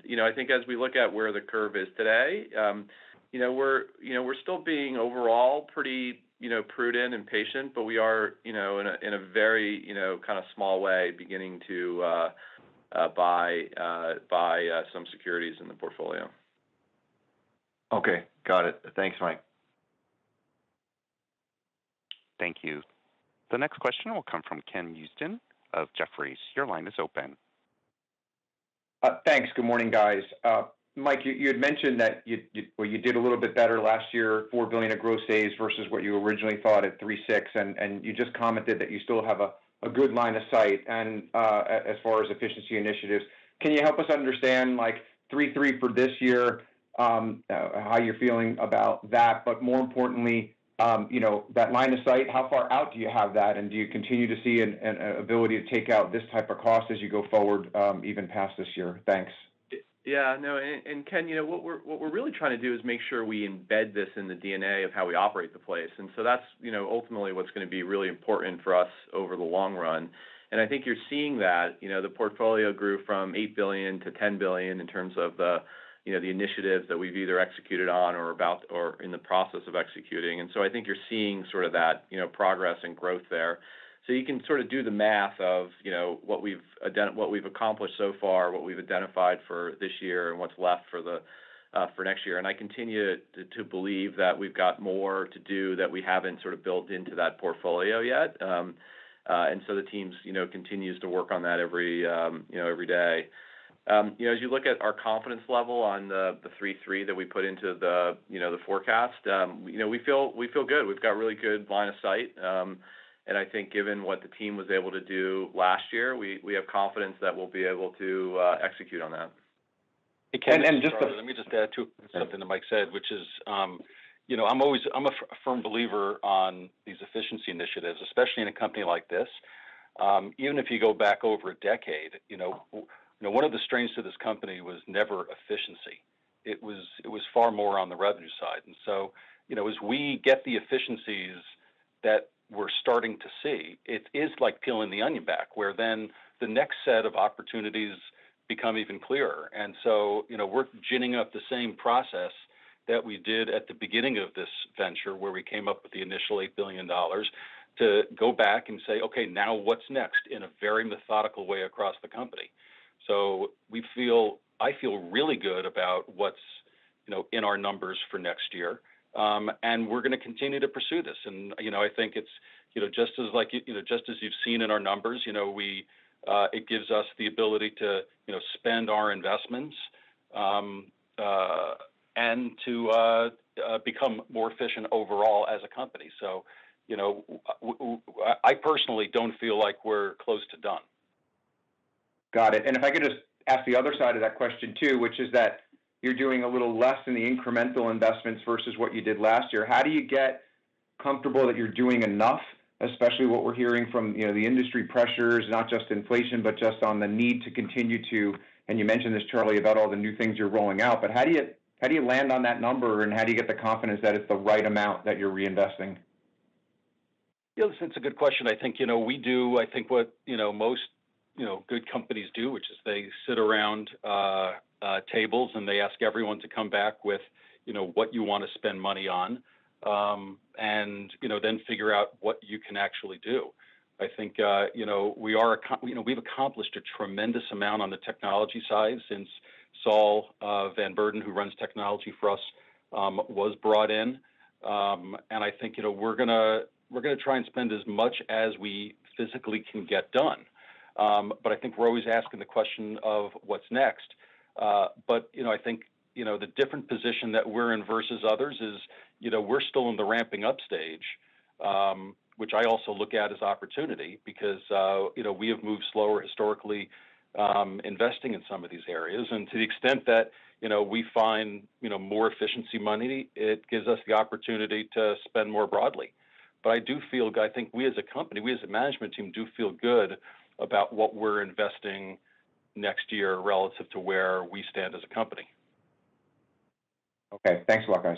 You know, I think as we look at where the curve is today, you know, we're still being overall pretty, you know, prudent and patient, but we are, you know, in a very, you know, kind of small way beginning to buy some securities in the portfolio. Okay. Got it. Thanks, Mike. Thank you. The next question will come from Ken Usdin of Jefferies. Your line is open. Thanks. Good morning, guys. Mike, you had mentioned that you did a little bit better last year, $4 billion of gross saves versus what you originally thought at $3.6 billion, and you just commented that you still have a good line of sight as far as efficiency initiatives. Can you help us understand, like, $3.3 billion for this year? How you're feeling about that? More importantly, you know, that line of sight, how far out do you have that? And do you continue to see an ability to take out this type of cost as you go forward, even past this year? Thanks. Yeah. No. Ken, you know, what we're really trying to do is make sure we embed this in the DNA of how we operate the place so that's ultimately what's gonna be really important for us over the long run. I think you're seeing that. You know, the portfolio grew from $8 to 10 billion in terms of the initiatives that we've either executed on, or are about to, or in the process of executing. I think you're seeing sort of that progress and growth there. You can sort of do the math of what we've accomplished so far, what we've identified for this year, and what's left for next year. I continue to believe that we've got more to do that we haven't sort of built into that portfolio yet. The teams, you know, continues to work on that every, you know, every day. You know, as you look at our confidence level on the three-three that we put into the, you know, the forecast, you know, we feel good we've got really good line of sight. I think given what the team was able to do last year, we have confidence that we'll be able to execute on that. And, and just the- Hey, Ken. Sorry. Let me just add to something that Mike said, which is, you know, I'm always a firm believer on these efficiency initiatives, especially in a company like this. Even if you go back over a decade, you know, one of the strengths to this company was never efficiency. It was far more on the revenue side. You know, as we get the efficiencies that we're starting to see, it is like peeling the onion back, where then the next set of opportunities become even clearer and so, you know, we're ginning up the same process that we did at the beginning of this venture where we came up with the initial $8 billion to go back and say, "Okay, now what's next?" in a very methodical way across the company. I feel really good about what's, you know, in our numbers for next year. We're gonna continue to pursue this. You know, I think it's, you know, just as, you know, just as you've seen in our numbers, you know, it gives us the ability to, you know, spend our investments, and to become more efficient overall as a company. You know, I personally don't feel like we're close to done. Got it. If I could just ask the other side of that question too, which is that you're doing a little less in the incremental investments versus what you did last year how do you get? comfortable that you're doing enough? Especially what we're hearing from, you know, the industry pressures, not just inflation, but just on the need to continue to? You mentioned this, Charlie, about all the new things you're rolling out. How do you land on that number, and how do you get the confidence that it's the right amount that you're reinvesting? Yeah, listen, it's a good question. I think, you know, we do, I think what, you know, most, you know, good companies do, which is they sit around tables and they ask everyone to come back with, you know, what you wanna spend money on, and, you know, then figure out what you can actually do. I think, you know, we've accomplished a tremendous amount on the technology side since Saul Van Beurden, who runs technology for us, was brought in. I think, you know, we're gonna try and spend as much as we physically can get done, but I think we're always asking the question of what's next. You know, I think, you know, the different position that we're in versus others is, you know, we're still in the ramping up stage, which I also look at as opportunity because, you know, we have moved slower historically, investing in some of these areas and to the extent that, you know, we find, you know, more efficiency money, it gives us the opportunity to spend more broadly. I think we as a company, we as a management team do feel good about what we're investing next year relative to where we stand as a company. Okay. Thanks a lot, guys.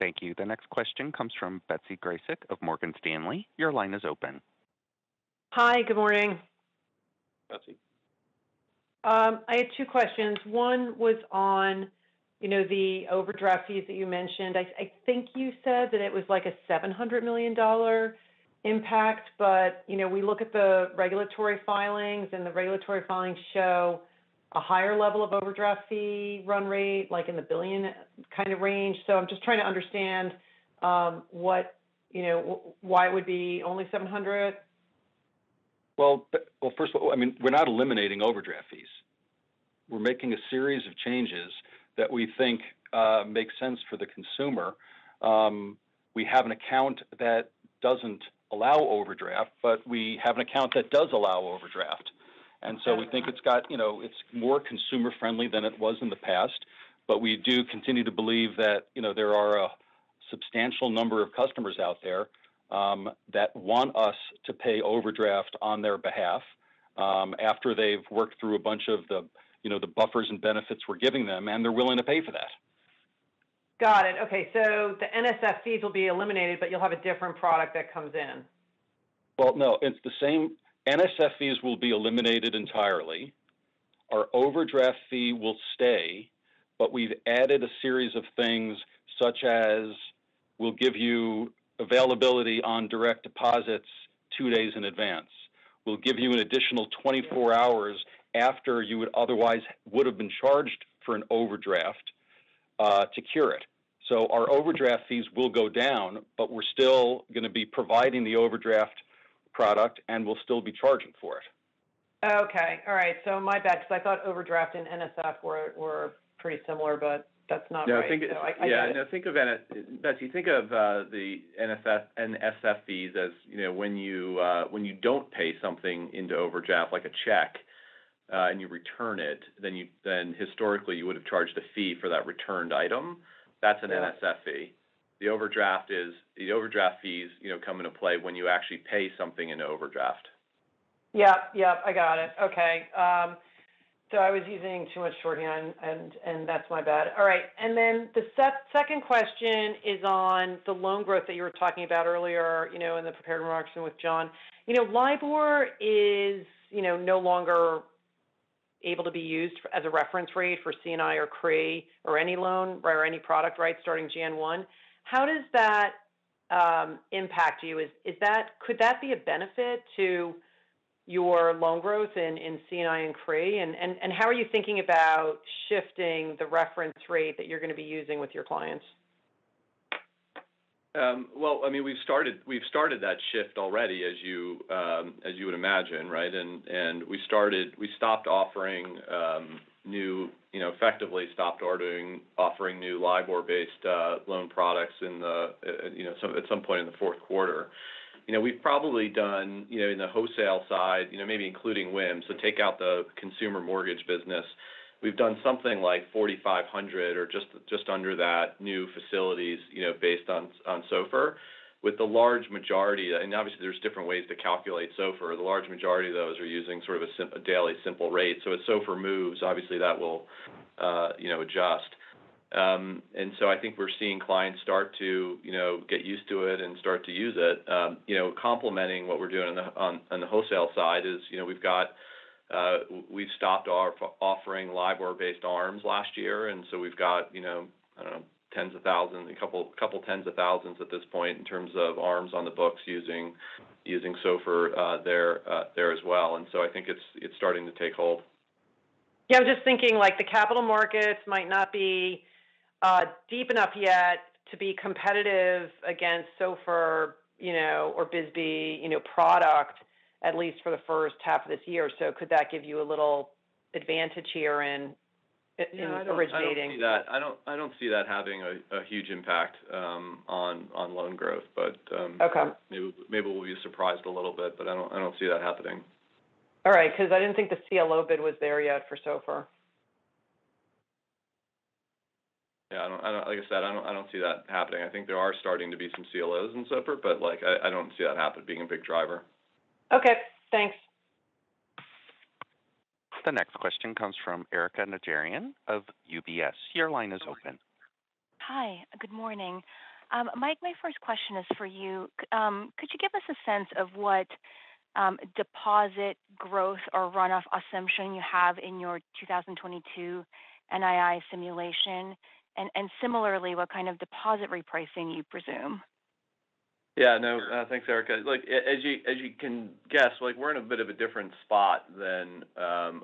Thank you. The next question comes from Betsy Graseck of Morgan Stanley. Your line is open. Hi. Good morning. Betsy. I had two questions one was on, you know, the overdraft fees that you mentioned i think you said that it was like a $700 million? impact, but, you know, we look at the regulatory filings, and the regulatory filings show a higher level of overdraft fee run rate, like in the billion kind of range so I'm just trying to understand what, you know, why it would be only $700 million. Well, first of all, I mean, we're not eliminating overdraft fees. We're making a series of changes that we think makes sense for the consumer. We have an account that doesn't allow overdraft, but we have an account that does allow overdraft. We think it's got you know, it's more consumer friendly than it was in the past. But we do continue to believe that you know, there are a substantial number of customers out there that want us to pay overdraft on their behalf after they've worked through a bunch of the you know, the buffers and benefits we're giving them, and they're willing to pay for that. Got it. Okay. The NSF fees will be eliminated, but you'll have a different product that comes in. Well, no. It's the same. NSF fees will be eliminated entirely. Our overdraft fee will stay, but we've added a series of things such as we'll give you availability on direct deposits two days in advance. We'll give you an additional 24 hours after you would otherwise would've been charged for an overdraft to cure it. Our overdraft fees will go down, but we're still gonna be providing the overdraft product, and we'll still be charging for it. Okay. All right. My bad because I thought overdraft and NSF were pretty similar, but that's not right. No, I think. I did. Yeah. No, think of Betsy, think of the NSF fees as, you know, when you don't pay something into overdraft like a check, and you return it, then historically you would have charged a fee for that returned item. Yeah. That's an NSF fee. The overdraft fees, you know, come into play when you actually pay something into overdraft. Yep. I got it. Okay. So I was using too much shorthand and that's my bad all right and the second question is on the loan growth that you were talking about earlier, you know, in the prepared remarks and with John. You know, LIBOR is no longer able to be used as a reference rate for C&I or CRE or any loan or any product, right, starting 1 Jan. How does that impact you? Could that be a benefit to your loan growth in C&I and CRE? And how are you thinking about shifting the reference rate that you're gonna be using with your clients? Well, I mean, we've started that shift already, as you would imagine, right? We've effectively stopped offering new LIBOR-based loan products, you know, at some point in the Q4. You know, we've probably done, you know, in the wholesale side, you know, maybe including WIM, so take out the consumer mortgage business. We've done something like 4,500 or just under that new facilities, you know, based on SOFR. With the large majority and obviously, there's different ways to calculate SOFR the large majority of those are using sort of a daily simple rate if SOFR moves, obviously that will, you know, adjust. I think we're seeing clients start to, you know, get used to it and start to use it. You know, complementing what we're doing on the wholesale side is, you know, we've got, we've stopped offering LIBOR-based ARMs last year, and so we've got, you know, I don't know, tens of thousands, a couple tens of thousands at this point in terms of ARMs on the books using SOFR there as well and so i think it's starting to take hold. Yeah, I'm just thinking like the capital markets might not be deep enough yet to be competitive against SOFR, you know, or BSBY, you know, product at least for the first half of this year so could that give you a little advantage here in originating? Yeah, I don't see that. I don't see that having a huge impact on loan growth, but Okay Maybe we'll be surprised a little bit, but I don't see that happening. All right. 'Cause I didn't think the CLO bid was there yet for SOFR. Yeah, like I said, I don't see that happening i think there are starting to be some CLOs in SOFR, but, like, I don't see that happening, being a big driver. Okay, thanks. The next question comes from Erika Najarian of UBS. Your line is open. Hi. Good morning. Mike, my first question is for you. Could you give us a sense of what deposit growth or runoff assumption you have in your 2022 NII simulation? Similarly, what kind of deposit repricing you presume? Yeah. No, thanks, Erika look, as you can guess, like we're in a bit of a different spot than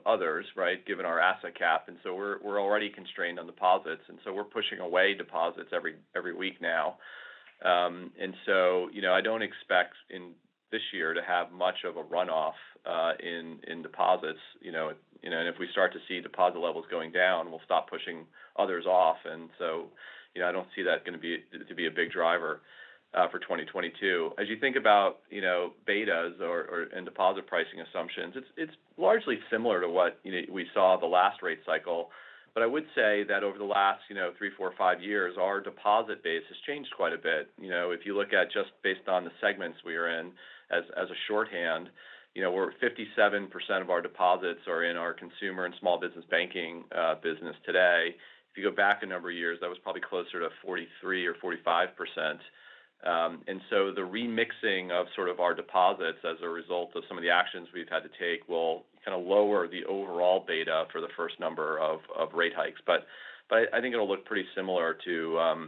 others, right, given our asset cap, and so we're already constrained on deposits, and so we're pushing away deposits every week now. You know, I don't expect in this year to have much of a runoff in deposits, you know. You know, if we start to see deposit levels going down, we'll stop pushing others off. You know, I don't see that to be a big driver for 2022 as you think about, you know, betas or and deposit pricing assumptions, it's largely similar to what, you know, we saw the last rate cycle. I would say that over the last, you know, three, four, five years, our deposit base has changed quite a bit you know, if you look at just based on the segments we are in as a shorthand, you know, we're 57% of our deposits are in our Consumer and Small Business Banking business today. If you go back a number of years, that was probably closer to 43% or 45%. The remixing of sort of our deposits as a result of some of the actions we've had to take will kind of lower the overall beta for the first number of rate hikes. I think it'll look pretty similar to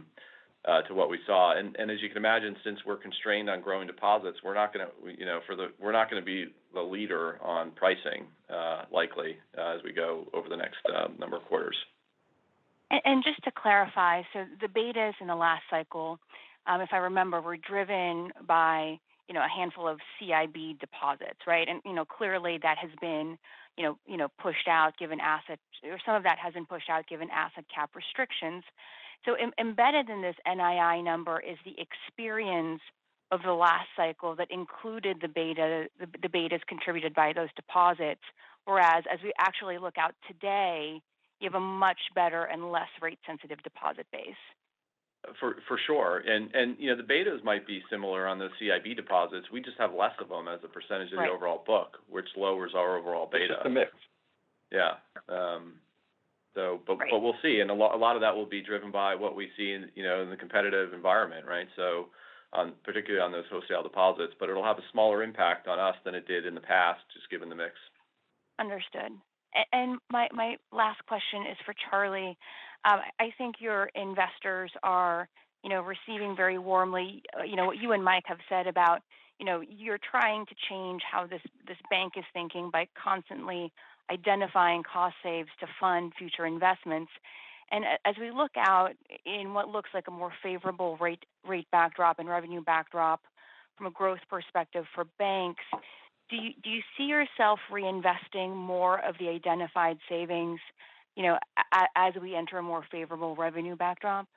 what we saw and as you can imagine, since we're constrained on growing deposits, we're not gonna, you know, be the leader on pricing likely as we go over the next number of quarters. Just to clarify, the betas in the last cycle, if I remember, were driven by a handful of CIB deposits, right? Clearly that has been pushed out, or some of that has been pushed out, given asset cap restrictions. Embedded in this NII number is the experience of the last cycle that included the beta, the betas contributed by those deposits. Whereas we actually look out today, you have a much better and less rate-sensitive deposit base. For sure. You know, the betas might be similar on the CIB deposits we just have less of them as a percentage- Right of the overall book, which lowers our overall beta. It's just the mix. Yeah. Right We'll see. A lot of that will be driven by what we see in, you know, in the competitive environment, right? Particularly on those wholesale deposits. It'll have a smaller impact on us than it did in the past, just given the mix. Understood. My last question is for Charlie. I think your investors are, you know, receiving very warmly, you know, what you and Mike have said about, you know, you're trying to change how this bank is thinking by constantly identifying cost saves to fund future investments. As we look out in what looks like a more favorable rate backdrop and revenue backdrop from a growth perspective for banks, do you see yourself reinvesting more of the identified savings, you know, as we enter a more favorable revenue backdrop?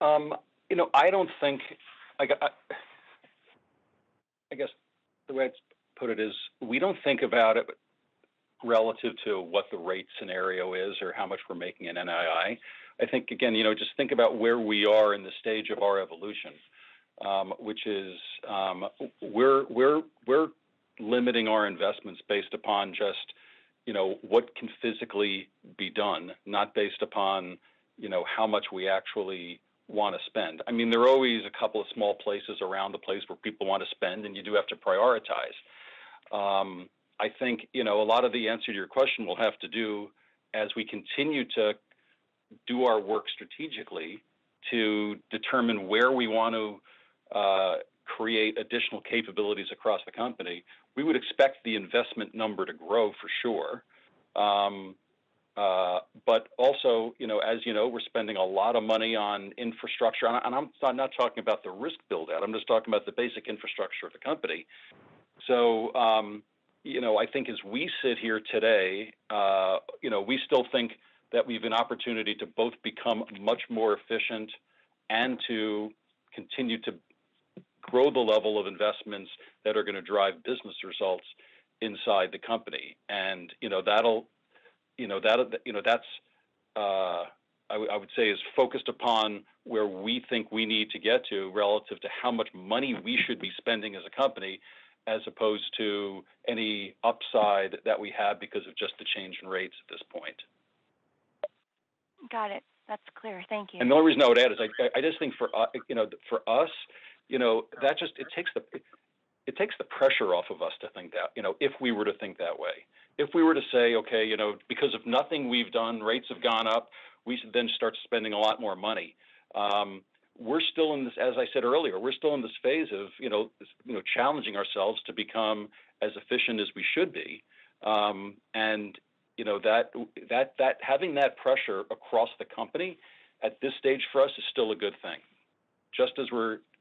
You know, I guess the way I'd put it is we don't think about it relative to what the rate scenario is or how much we're making in NII. I think again, you know, just think about where we are in the stage of our evolution. Which is, we're limiting our investments based upon just, you know, what can physically be done, not based upon, you know, how much we actually want to spend and i mean, there are always a couple of small places around the place where people want to spend, and you do have to prioritize. I think, you know, a lot of the answer to your question will have to do as we continue to do our work strategically to determine where we want to create additional capabilities across the company. We would expect the investment number to grow for sure. But also, you know, as you know, we're spending a lot of money on infrastructure i'm not talking about the risk build-out i'm just talking about the basic infrastructure of the company. You know, I think as we sit here today, you know, we still think that we've an opportunity to both become much more efficient and to continue to grow the level of investments that are gonna drive business results inside the company. You know, that'll, you know, that's, I would say is focused upon where we think we need to get to relative to how much money we should be spending as a company, as opposed to any upside that we have because of just the change in rates at this point. Got it. That's clear. Thank you. The only reason I would add is I just think, you know, for us, you know, that it takes the pressure off of us to think that, you know, if we were to think that way. If we were to say, "Okay, you know, because of nothing we've done, rates have gone up," we should then start spending a lot more money. As I said earlier, we're still in this phase of, you know, challenging ourselves to become as efficient as we should be. You know, that having that pressure across the company at this stage for us is still a good thing, just as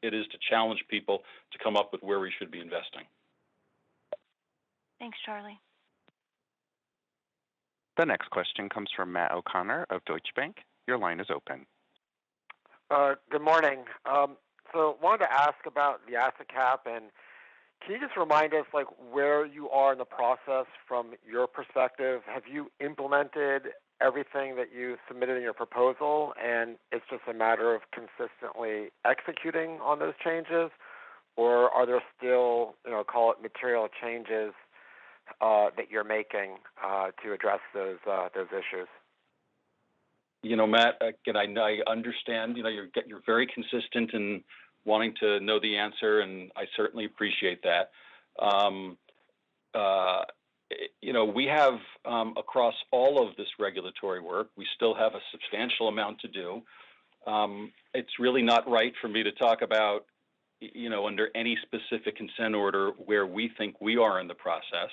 it is to challenge people to come up with where we should be investing. Thanks, Charlie. The next question comes from Matthew O'Connor of Deutsche Bank. Your line is open. Good morning. Wanted to ask about the asset cap, and can you just remind us, like, where you are in the process from your perspective? Have you implemented everything that you submitted in your proposal? and it's just a matter of consistently executing on those changes? Or are there still, you know, call it material changes, that you're making, to address those issues? You know, Matt, again, I understand. You know, you're very consistent in wanting to know the answer, and I certainly appreciate that. You know, we have, across all of this regulatory work, we still have a substantial amount to do. It's really not right for me to talk about, you know, under any specific consent order where we think we are in the process.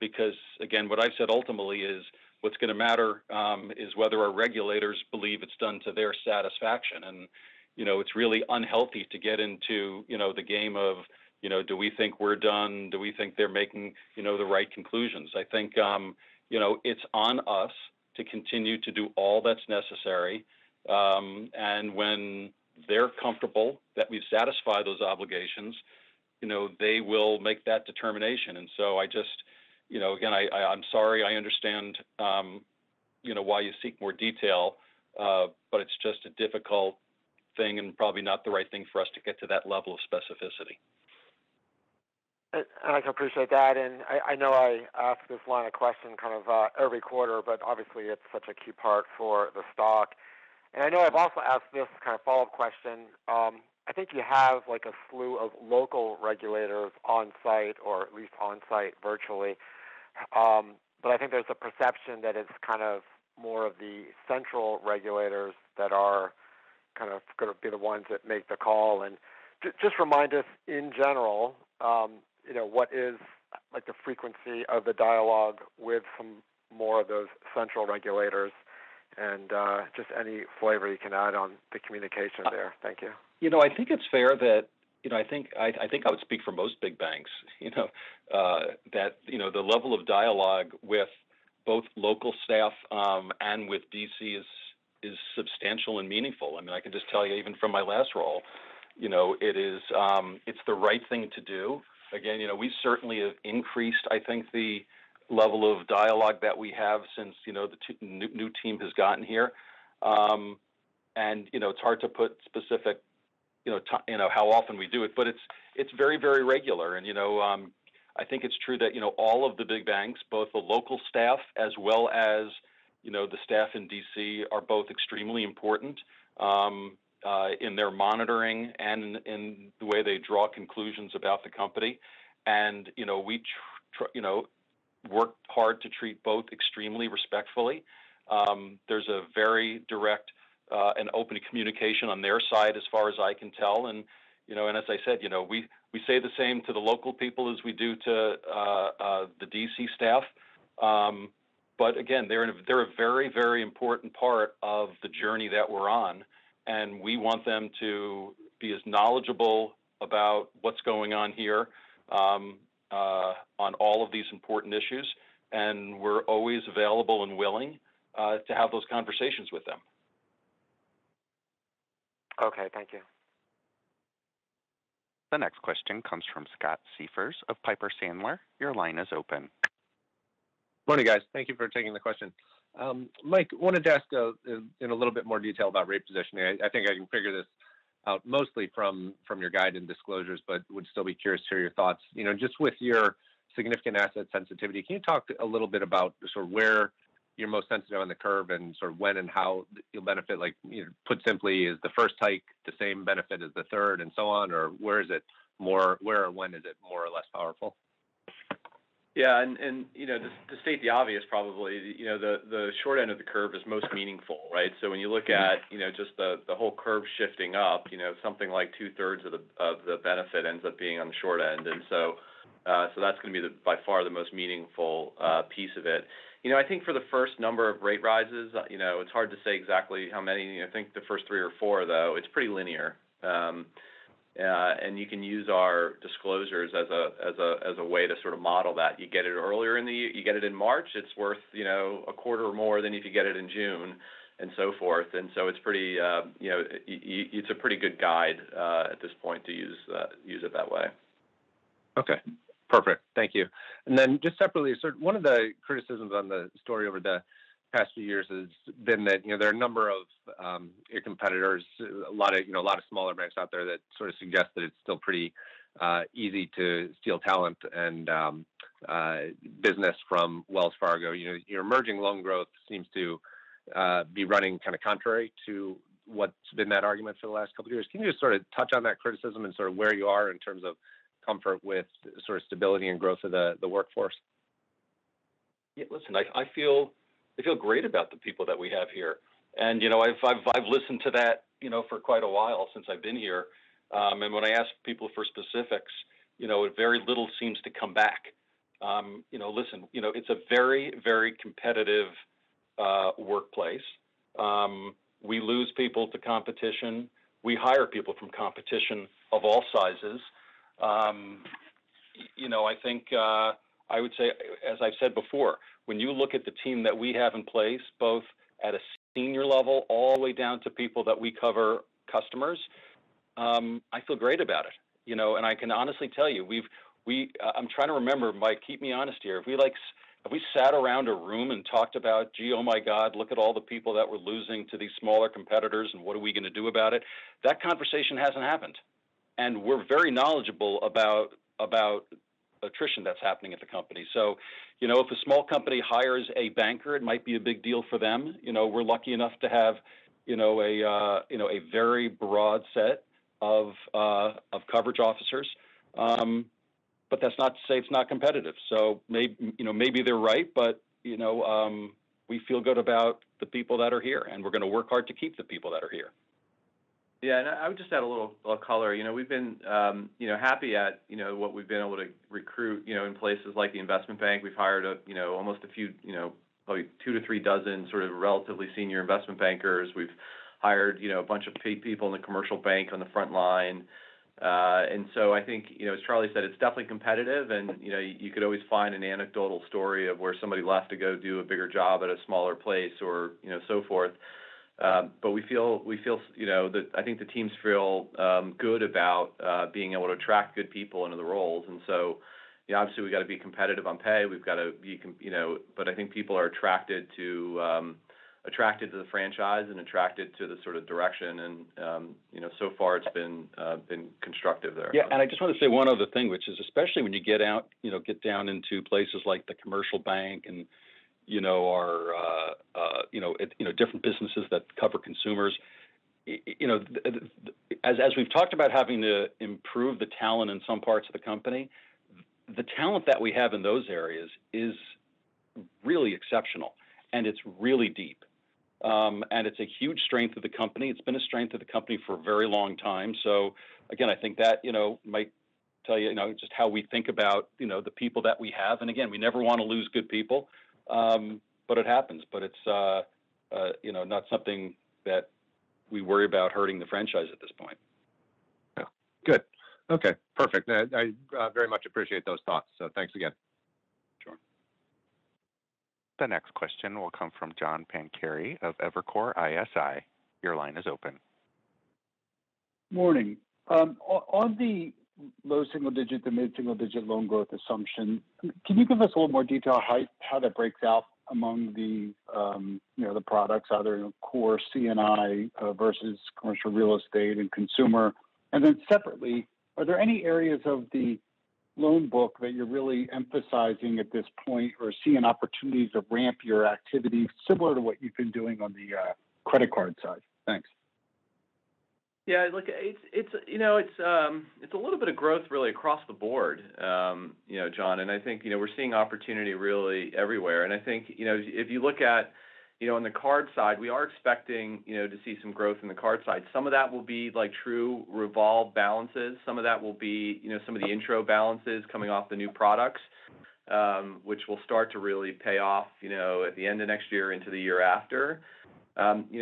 Because again, what I've said ultimately is what's gonna matter, is whether our regulators believe it's done to their satisfaction. You know, it's really unhealthy to get into, you know, the game of, you know, do we think we're done? Do we think they're making, you know, the right conclusions? I think, you know, it's on us to continue to do all that's necessary. When they're comfortable that we've satisfied those obligations, you know, they will make that determination. I just, you know, again, I'm sorry, I understand, you know, why you seek more detail. It's just a difficult thing and probably not the right thing for us to get to that level of specificity. I can appreciate that. I know I ask this line of question kind of every quarter, but obviously it's such a key part for the stock. I know I've also asked this kind of follow-up question. I think you have like a slew of local regulators on site or at least on site virtually. I think there's a perception that it's kind of more of the central regulators that are kind of gonna be the ones that make the call. Just remind us in general, you know, what is like the frequency of the dialogue with some more of those central regulators, and just any flavor you can add on the communication there. Thank you. You know, I think it's fair that, you know, I think I would speak for most big banks, you know, that, you know, the level of dialogue with both local staff and with D.C. is substantial and meaningful and i mean, I can just tell you even from my last role, you know, it is, it's the right thing to do. Again, you know, we certainly have increased, I think, the level of dialogue that we have since, you know, the new team has gotten here. You know, it's hard to put specific, you know, you know, how often we do it, but it's very regular you know, I think it's true that, you know, all of the big banks, both the local staff as well as you know, the staff in D.C. are both extremely important in their monitoring and in the way they draw conclusions about the company. You know, we you know, work hard to treat both extremely respectfully. There's a very direct and open communication on their side as far as I can tell. You know, and as I said, you know, we say the same to the local people as we do to the D.C. staff. But again, they're a very, very important part of the journey that we're on, and we want them to be as knowledgeable about what's going on here on all of these important issues. We're always available and willing to have those conversations with them. Okay. Thank you. The next question comes from Scott Siefers of Piper Sandler. Your line is open. Morning, guys. Thank you for taking the question. Mike, I wanted to ask in a little bit more detail about rate positioning i think I can figure this out mostly from your guide and disclosures, but would still be curious to hear your thoughts you know, just with your significant asset sensitivity, can you talk a little bit about sort of where you're most sensitive on the curve and sort of when and how you'll benefit? Like, you know, put simply, is the first hike the same benefit as the third and so on, or where or when is it more or less powerful? Yeah. You know, to state the obvious probably, you know, the short end of the curve is most meaningful, right? When you look at, you know, just the whole curve shifting up, you know, something like 2/3 of the benefit ends up being on the short end. That's gonna be by far the most meaningful piece of it. You know, I think for the first number of rate rises, you know, it's hard to say exactly how many i think the first three or four though, it's pretty linear. You can use our disclosures as a way to sort of model that you get it in March it's worth, you know, a quarter more than if you get it in June and so forth and it's pretty, you know, it's a pretty good guide at this point to use it that way. Okay. Perfect. Thank you. Just separately, one of the criticisms on the story over the past few years has been that, you know, there are a number of your competitors, a lot of, you know, a lot of smaller banks out there that sort of suggest that it's still pretty easy to steal talent and business from Wells Fargo you know, your emerging loan growth seems to be running kind of contrary to what's been that argument for the last couple of years can you just sort of touch on that criticism and sort of where you are in terms of comfort with sort of stability and growth of the workforce? Yeah. Listen, I feel great about the people that we have here. You know, I've listened to that, you know, for quite a while, since I've been here. When I ask people for specifics, you know, very little seems to come back. You know, listen, you know, it's a very, very competitive workplace. We lose people to competition. We hire people from competition of all sizes. You know, I think I would say, as I've said before, when you look at the team that we have in place, both at a senior level, all the way down to people that we cover customers. I feel great about it, you know i can honestly tell you, I'm trying to remember Mike, keep me honest here. If we have we sat around a room and talked about, "Gee, oh my God, look at all the people that we're losing to these smaller competitors, and what are we gonna do about it?" That conversation hasn't happened. We're very knowledgeable about attrition that's happening at the company. You know, if a small company hires a banker, it might be a big deal for them. You know, we're lucky enough to have, you know, a very broad set of coverage officers. But that's not to say it's not competitive. You know, maybe they're right, but, you know, we feel good about the people that are here, and we're gonna work hard to keep the people that are here. Yeah. I would just add a little color you know, we've been happy about what we've been able to recruit, you know, in places like the investment bank we've hired, you know, quite a few, you know, probably two to three dozen sort of relatively senior investment bankers. We've hired, you know, a bunch of people in the commercial bank on the front line. I think, you know, as Charlie said, it's definitely competitive, and you know, you could always find an anecdotal story of where somebody left to go do a bigger job at a smaller place or, you know, so forth. We feel, you know i think the teams feel good about being able to attract good people into the roles. You know, obviously, we've got to be competitive on pay but I think people are attracted to the franchise and attracted to the sort of direction, you know, so far it's been constructive there. I just want to say one other thing, which is especially when you get out, you know, get down into places like the Commercial Banking and, you know, different businesses that cover consumers. You know, as we've talked about having to improve the talent in some parts of the company, the talent that we have in those areas is really exceptional, and it's really deep. It's a huge strength of the company it's been a strength of the company for a very long time. I think that might tell you know, just how we think about, you know, the people that we have and we never wanna lose good people, but it happens. It's, you know, not something that we worry about hurting the franchise at this point. Yeah. Good. Okay. Perfect. I very much appreciate those thoughts. Thanks again. Sure. The next question will come from John Pancari of Evercore ISI. Your line is open. Morning. On the low-single-digit to mid-single-digit loan growth assumption, can you give us a little more detail how that breaks out among the products, either in core C&I versus commercial real estate and consumer? Then separately, are there any areas of the loan book that you're really emphasizing at this point or seeing opportunities to ramp your activities similar to what you've been doing on the credit card side. Thanks. Yeah. Look, it's a little bit of growth really across the board, you know, John i think we're seeing opportunity really everywhere i think, you know, if you look at, you know, on the card side, we are expecting, you know, to see some growth in the card side some of that will be, like, true revolve balances. Some of that will be, you know, some of the intro balances coming off the new products, which will start to really pay off, you know, at the end of next year into the year after. You know,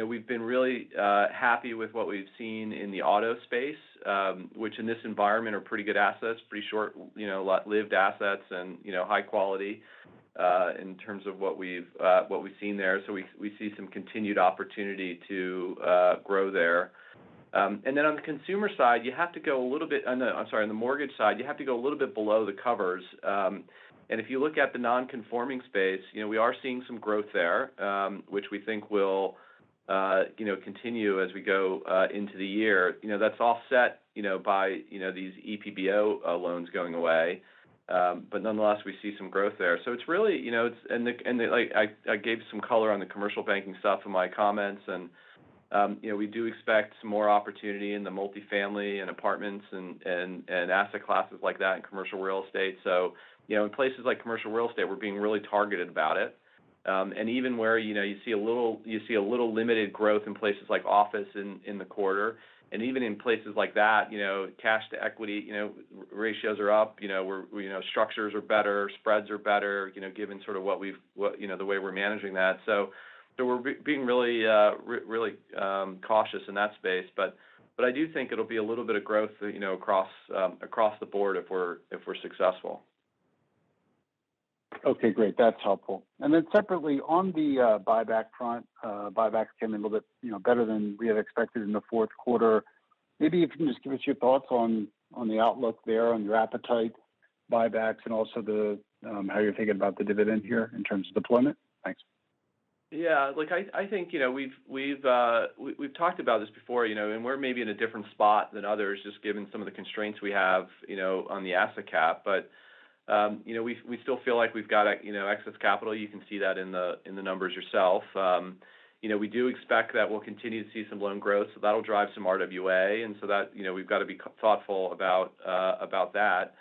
we've been really happy with what we've seen in the Auto space, which in this environment are pretty good assets, pretty short, you know, short-lived assets and, you know, high quality in terms of what we've seen there we see some continued opportunity to grow there. On the mortgage side, you have to go a little bit below the covers. If you look at the non-conforming space, you know, we are seeing some growth there, which we think will, you know, continue as we go into the year. You know, that's offset, you know, by, you know, these EPBO loans going away. Nonetheless, we see some growth there so it's really, you know, I gave some color on the Commercial Banking stuff in my comments and, you know, we do expect some more opportunity in the multifamily and apartments and asset classes like that in commercial real estate. You know, in places like commercial real estate, we're being really targeted about it. And even where, you know, you see a little limited growth in places like office in the quarter. Even in places like that, you know, cash to equity, you know, ratios are up you know, we're, you know, structures are better, spreads are better, you know, given sort of what we've, you know, the way we're managing that. We're being really cautious in that space. I do think it'll be a little bit of growth, you know, across the board if we're successful. Okay, great. That's helpful. Separately, on the buyback front, buybacks came in a little bit, you know, better than we had expected in the Q4. Maybe if you can just give us your thoughts on the outlook there, on your appetite, buybacks and also the how you're thinking about the dividend here in terms of deployment. Thanks. Yeah. Look, I think, you know, we've talked about this before, you know, and we're maybe in a different spot than others just given some of the constraints we have, you know, on the asset cap. We still feel like we've got excess capital you can see that in the numbers yourself. We do expect that we'll continue to see some loan growth, so that'll drive some RWA. We've got to be thoughtful about that.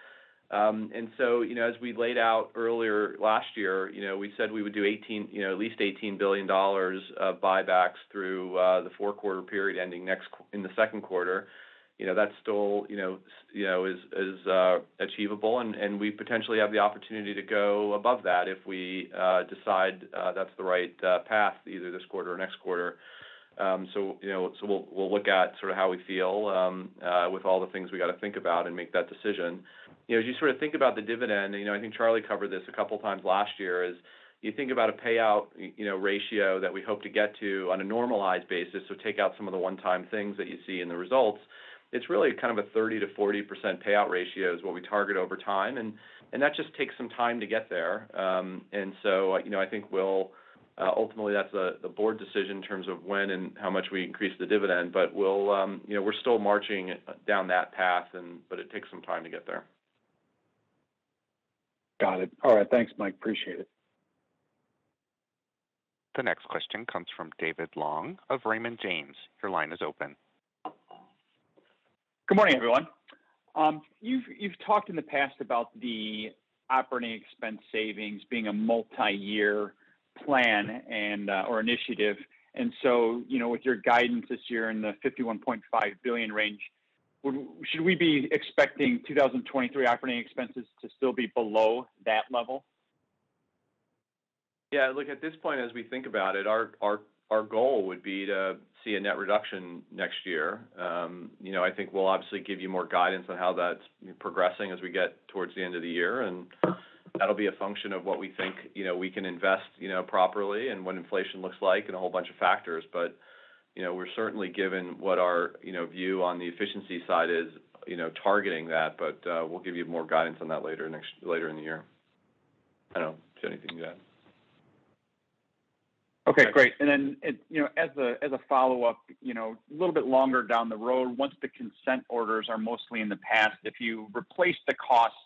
As we laid out earlier last year, you know, we said we would do at least $18 billion of buybacks through the Q4 period ending in the Q2. You know, that still is achievable and we potentially have the opportunity to go above that if we decide that's the right path either this quarter or next quarter. You know, we'll look at sort of how we feel with all the things we got to think about and make that decision. You know, as you sort of think about the dividend, you know, I think Charlie covered this a couple times last year. You think about a payout, you know, ratio that we hope to get to on a normalized basis take out some of the one-time things that you see in the results. It's really kind of a 30% to 40% payout ratio is what we target over time. That just takes some time to get there. You know, I think ultimately that's a board decision in terms of when and how much we increase the dividend. You know, we're still marching down that path, but it takes some time to get there. Got it. All right. Thanks, Mike. Appreciate it. The next question comes from David Long of Raymond James. Your line is open. Good morning, everyone. You've talked in the past about the operating expense savings being a multi-year plan and/or initiative. You know, with your guidance this year in the $51.5 billion range, should we be expecting 2023 operating expenses to still be below that level? Yeah. Look, at this point, as we think about it, our goal would be to see a net reduction next year. You know, I think we'll obviously give you more guidance on how that's progressing as we get towards the end of the year. That'll be a function of what we think, you know, we can invest, you know, properly and what inflation looks like and a whole bunch of factors. You know, we're certainly given what our, you know, view on the efficiency side is, you know, targeting that but we'll give you more guidance on that later in the year. I don't know. Is there anything to add? Okay, great. You know, as a follow-up, you know, a little bit longer down the road, once the consent orders are mostly in the past, if you replace the costs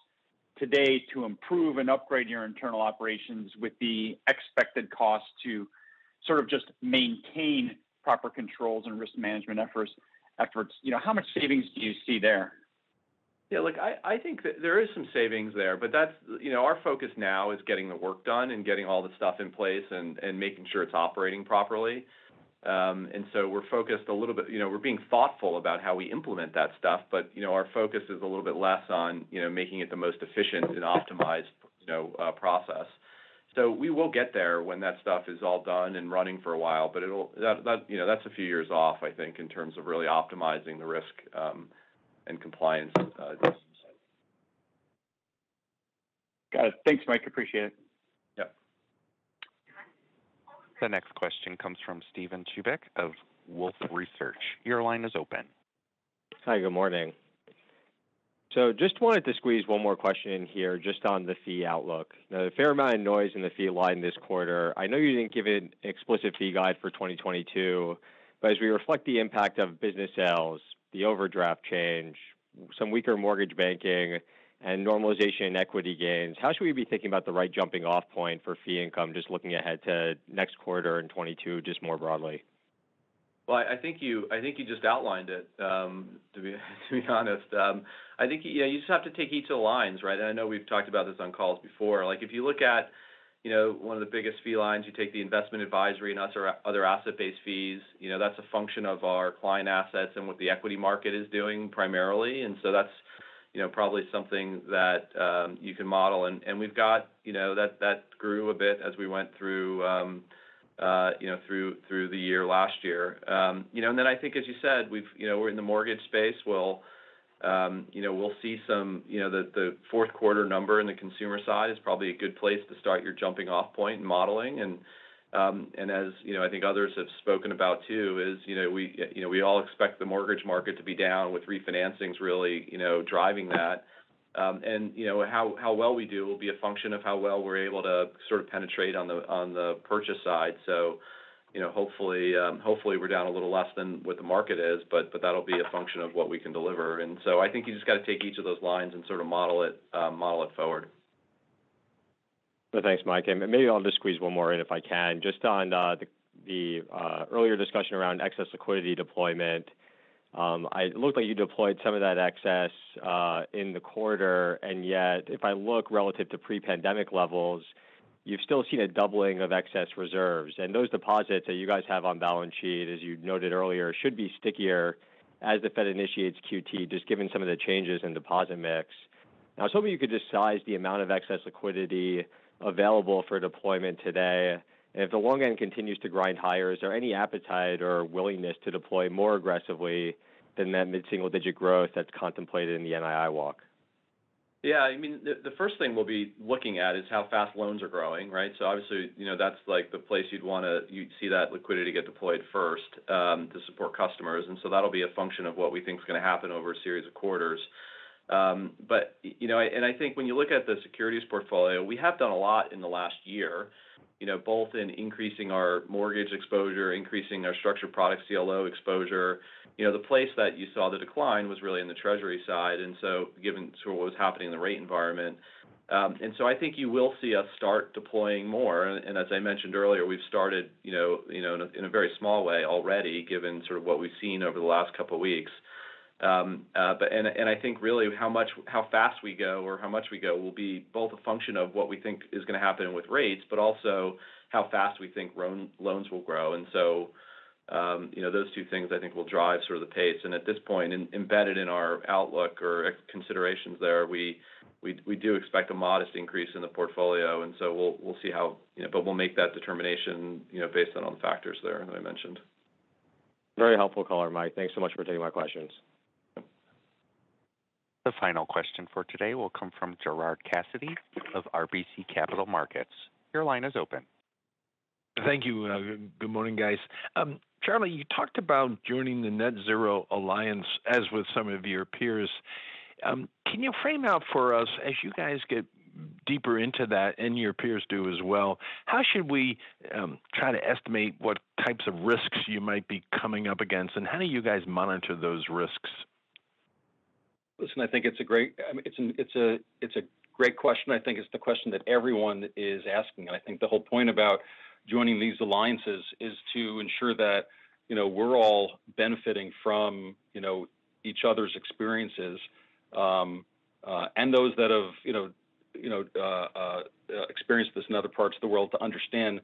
today to improve and upgrade your internal operations with the expected cost to sort of just maintain proper controls and risk management efforts afterwards, you know, how much savings do you see there? Yeah, look, I think that there is some savings there, but that's. You know, our focus now is getting the work done and getting all the stuff in place and making sure it's operating properly. We're focused a little bit you know, we're being thoughtful about how we implement that stuff, but, you know, our focus is a little bit less on, you know, making it the most efficient and optimized, you know, process. We will get there when that stuff is all done and running for a while, but it'll, you know, that's a few years off, I think, in terms of really optimizing the risk and compliance risks. Got it. Thanks, Mike. Appreciate it. Yep. The next question comes from Steven Chubak of Wolfe Research. Your line is open. Hi, good morning. Just wanted to squeeze one more question in here just on the fee outlook. Now, a fair amount of noise in the fee line this quarter i know you didn't give an explicit fee guide for 2022. As we reflect the impact of business sales, the overdraft change, some weaker mortgage banking and normalization in equity gains how should we be thinking about the right jumping off point for fee income, just looking ahead to next quarter and 2022 just more broadly? Well, I think you just outlined it, to be honest. I think you know you just have to take each of the lines, right? I know we've talked about this on calls before like, if you look at you know one of the biggest fee lines, you take the investment advisory and other asset-based fees, you know that's a function of our client assets and what the equity market is doing primarily. That's you know probably something that you can model and we've got you know that grew a bit as we went through you know through the year last year. You know I think as you said, we've you know we're in the mortgage space well. You know, we'll see some, you know, the Q4 number in the consumer side is probably a good place to start your jumping off point in modeling. As you know, I think others have spoken about too, you know, we all expect the mortgage market to be down with refinancings really, you know, driving that. You know, how well we do will be a function of how well we're able to sort of penetrate on the purchase side. You know, hopefully we're down a little less than what the market is, but that'll be a function of what we can deliver and so i think you just got to take each of those lines and sort of model it forward. Thanks, Mike. Maybe I'll just squeeze one more in, if I can just on the earlier discussion around excess liquidity deployment. It looked like you deployed some of that excess in the quarter, and yet if I look relative to pre-pandemic levels, you've still seen a doubling of excess reserves. Those deposits that you guys have on balance sheet, as you noted earlier, should be stickier as the Fed initiates QT, just given some of the changes in deposit mix. I was hoping you could just size the amount of excess liquidity available for deployment today. If the long end continues to grind higher, is there any appetite or willingness to deploy more aggressively than that mid-single-digit growth that's contemplated in the NII walk? Yeah. I mean, the first thing we'll be looking at is how fast loans are growing, right? Obviously, you know, that's like the place you'd see that liquidity get deployed first to support customers so that'll be a function of what we think is going to happen over a series of quarters. You know, I think when you look at the securities portfolio, we have done a lot in the last year, you know, both in increasing our mortgage exposure, increasing our structured products CLO exposure. You know, the place that you saw the decline was really in the treasury side, and so given sort of what was happening in the rate environment. I think you will see us start deploying more. As I mentioned earlier, we've started, you know, in a very small way already given sort of what we've seen over the last couple of weeks. I think really how much, how fast we go or how much we go will be both a function of what we think is going to happen with rates, but also how fast we think loans will grow. You know, those two things I think will drive sort of the pace and at this point, embedded in our outlook or considerations there, we do expect a modest increase in the portfolio, and so we'll see how, you know we'll make that determination, you know, based on factors there that I mentioned. Very helpful color, Mike. Thanks so much for taking my questions. The final question for today will come from Gerard Cassidy of RBC Capital Markets. Your line is open. Thank you. Good morning, guys. Charlie, you talked about joining the Net-Zero Alliance, as with some of your peers. Can you frame out for us as you guys get deeper into that, and your peers do as well, how should we try to estimate what types of risks you might be coming up against, and how do you guys monitor those risks? Listen, I think it's a great question i mean, it's a great question. I think it's the question that everyone is asking i think the whole point about joining these alliances is to ensure that, you know, we're all benefiting from, you know, each other's experiences. Those that have, you know, experienced this in other parts of the world to understand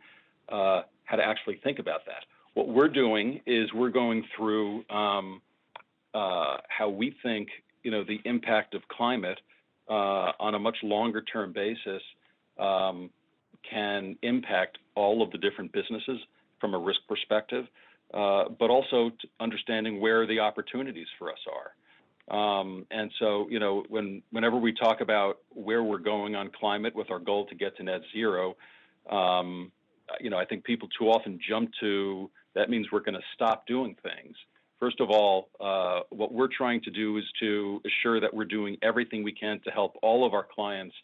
how to actually think about that. What we're doing is we're going through how we think, you know, the impact of climate on a much longer term basis can impact all of the different businesses from a risk perspective, but also understanding where the opportunities for us are. You know, whenever we talk about where we're going on climate with our goal to get to Net-Zero, you know, I think people too often jump to, "That means we're going to stop doing things." First of all, what we're trying to do is to assure that we're doing everything we can to help all of our clients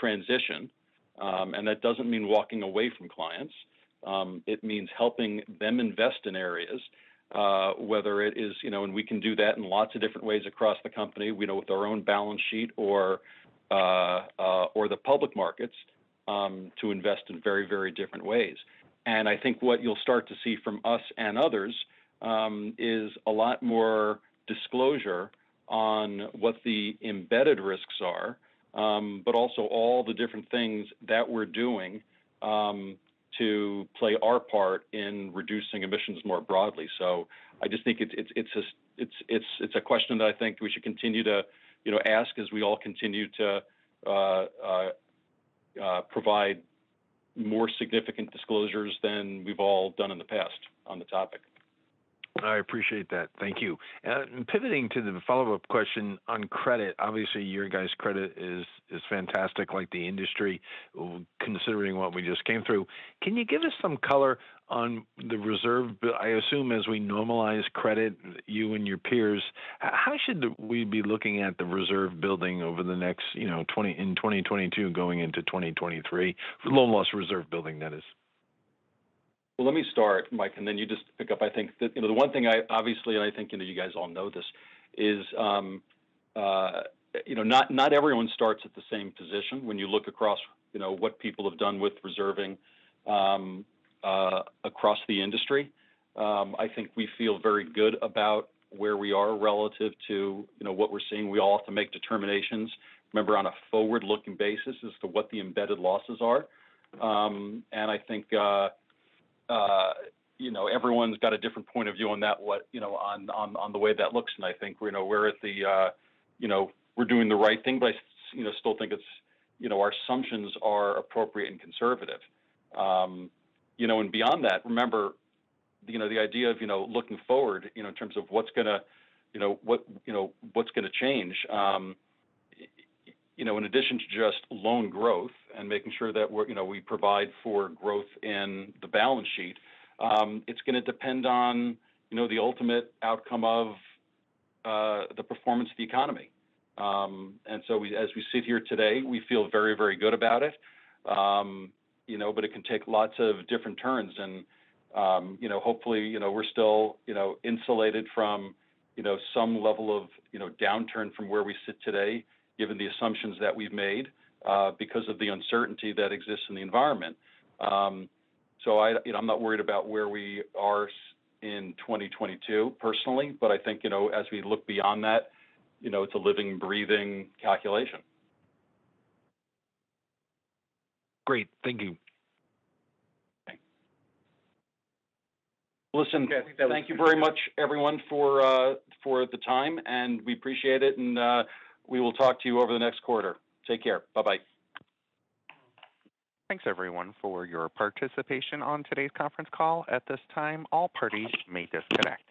transition. That doesn't mean walking away from clients. It means helping them invest in areas, whether it is, you know we can do that in lots of different ways across the company, you know, with our own balance sheet or the public markets, to invest in very, very different ways. I think what you'll start to see from us and others is a lot more disclosure on what the embedded risks are, but also all the different things that we're doing to play our part in reducing emissions more broadly. I just think it's a question that I think we should continue to, you know, ask as we all continue to provide more significant disclosures than we've all done in the past on the topic. I appreciate that. Thank you. Pivoting to the follow-up question on credit obviously, your guys' credit is fantastic, like the industry, considering what we just came through. Can you give us some color on the reserve? I assume as we normalize credit, you and your peers, how should we be looking at the reserve building over the next, you know, in 2022 going into 2023? The loan loss reserve building, that is. Well, let me start, Mike, and then you just pick up i think that, you know, the one thing I obviously, and I think, you know, you guys all know this is, you know, not everyone starts at the same position when you look across, you know, what people have done with reserving, across the industry. I think we feel very good about where we are relative to, you know, what we're seeing we all have to make determinations, remember, on a forward-looking basis as to what the embedded losses are. I think, you know, everyone's got a different point of view on that, what, you know, on the way that looks i think, you know, we're at the, you know, we're doing the right thing but still think it's, you know, our assumptions are appropriate and conservative. You know, and beyond that, remember, you know, the idea of, you know, looking forward, you know, in terms of what's gonna, you know, what, you know, what's gonna change. You know, in addition to just loan growth and making sure that we're, you know, we provide for growth in the balance sheet, it's gonna depend on, you know, the ultimate outcome of the performance of the economy. As we sit here today, we feel very, very good about it. You know, it can take lots of different turns and, you know, hopefully, you know, we're still, you know, insulated from, you know, some level of, you know, downturn from where we sit today, given the assumptions that we've made, because of the uncertainty that exists in the environment. I, you know, I'm not worried about where we are in 2022 personally, but I think, you know, as we look beyond that, you know, it's a living, breathing calculation. Great. Thank you. Thanks. Okay. I think that was. Thank you very much, everyone, for the time, and we appreciate it, and we will talk to you over the next quarter. Take care. Bye-bye. Thanks everyone for your participation on today's conference call. At this time, all parties may disconnect.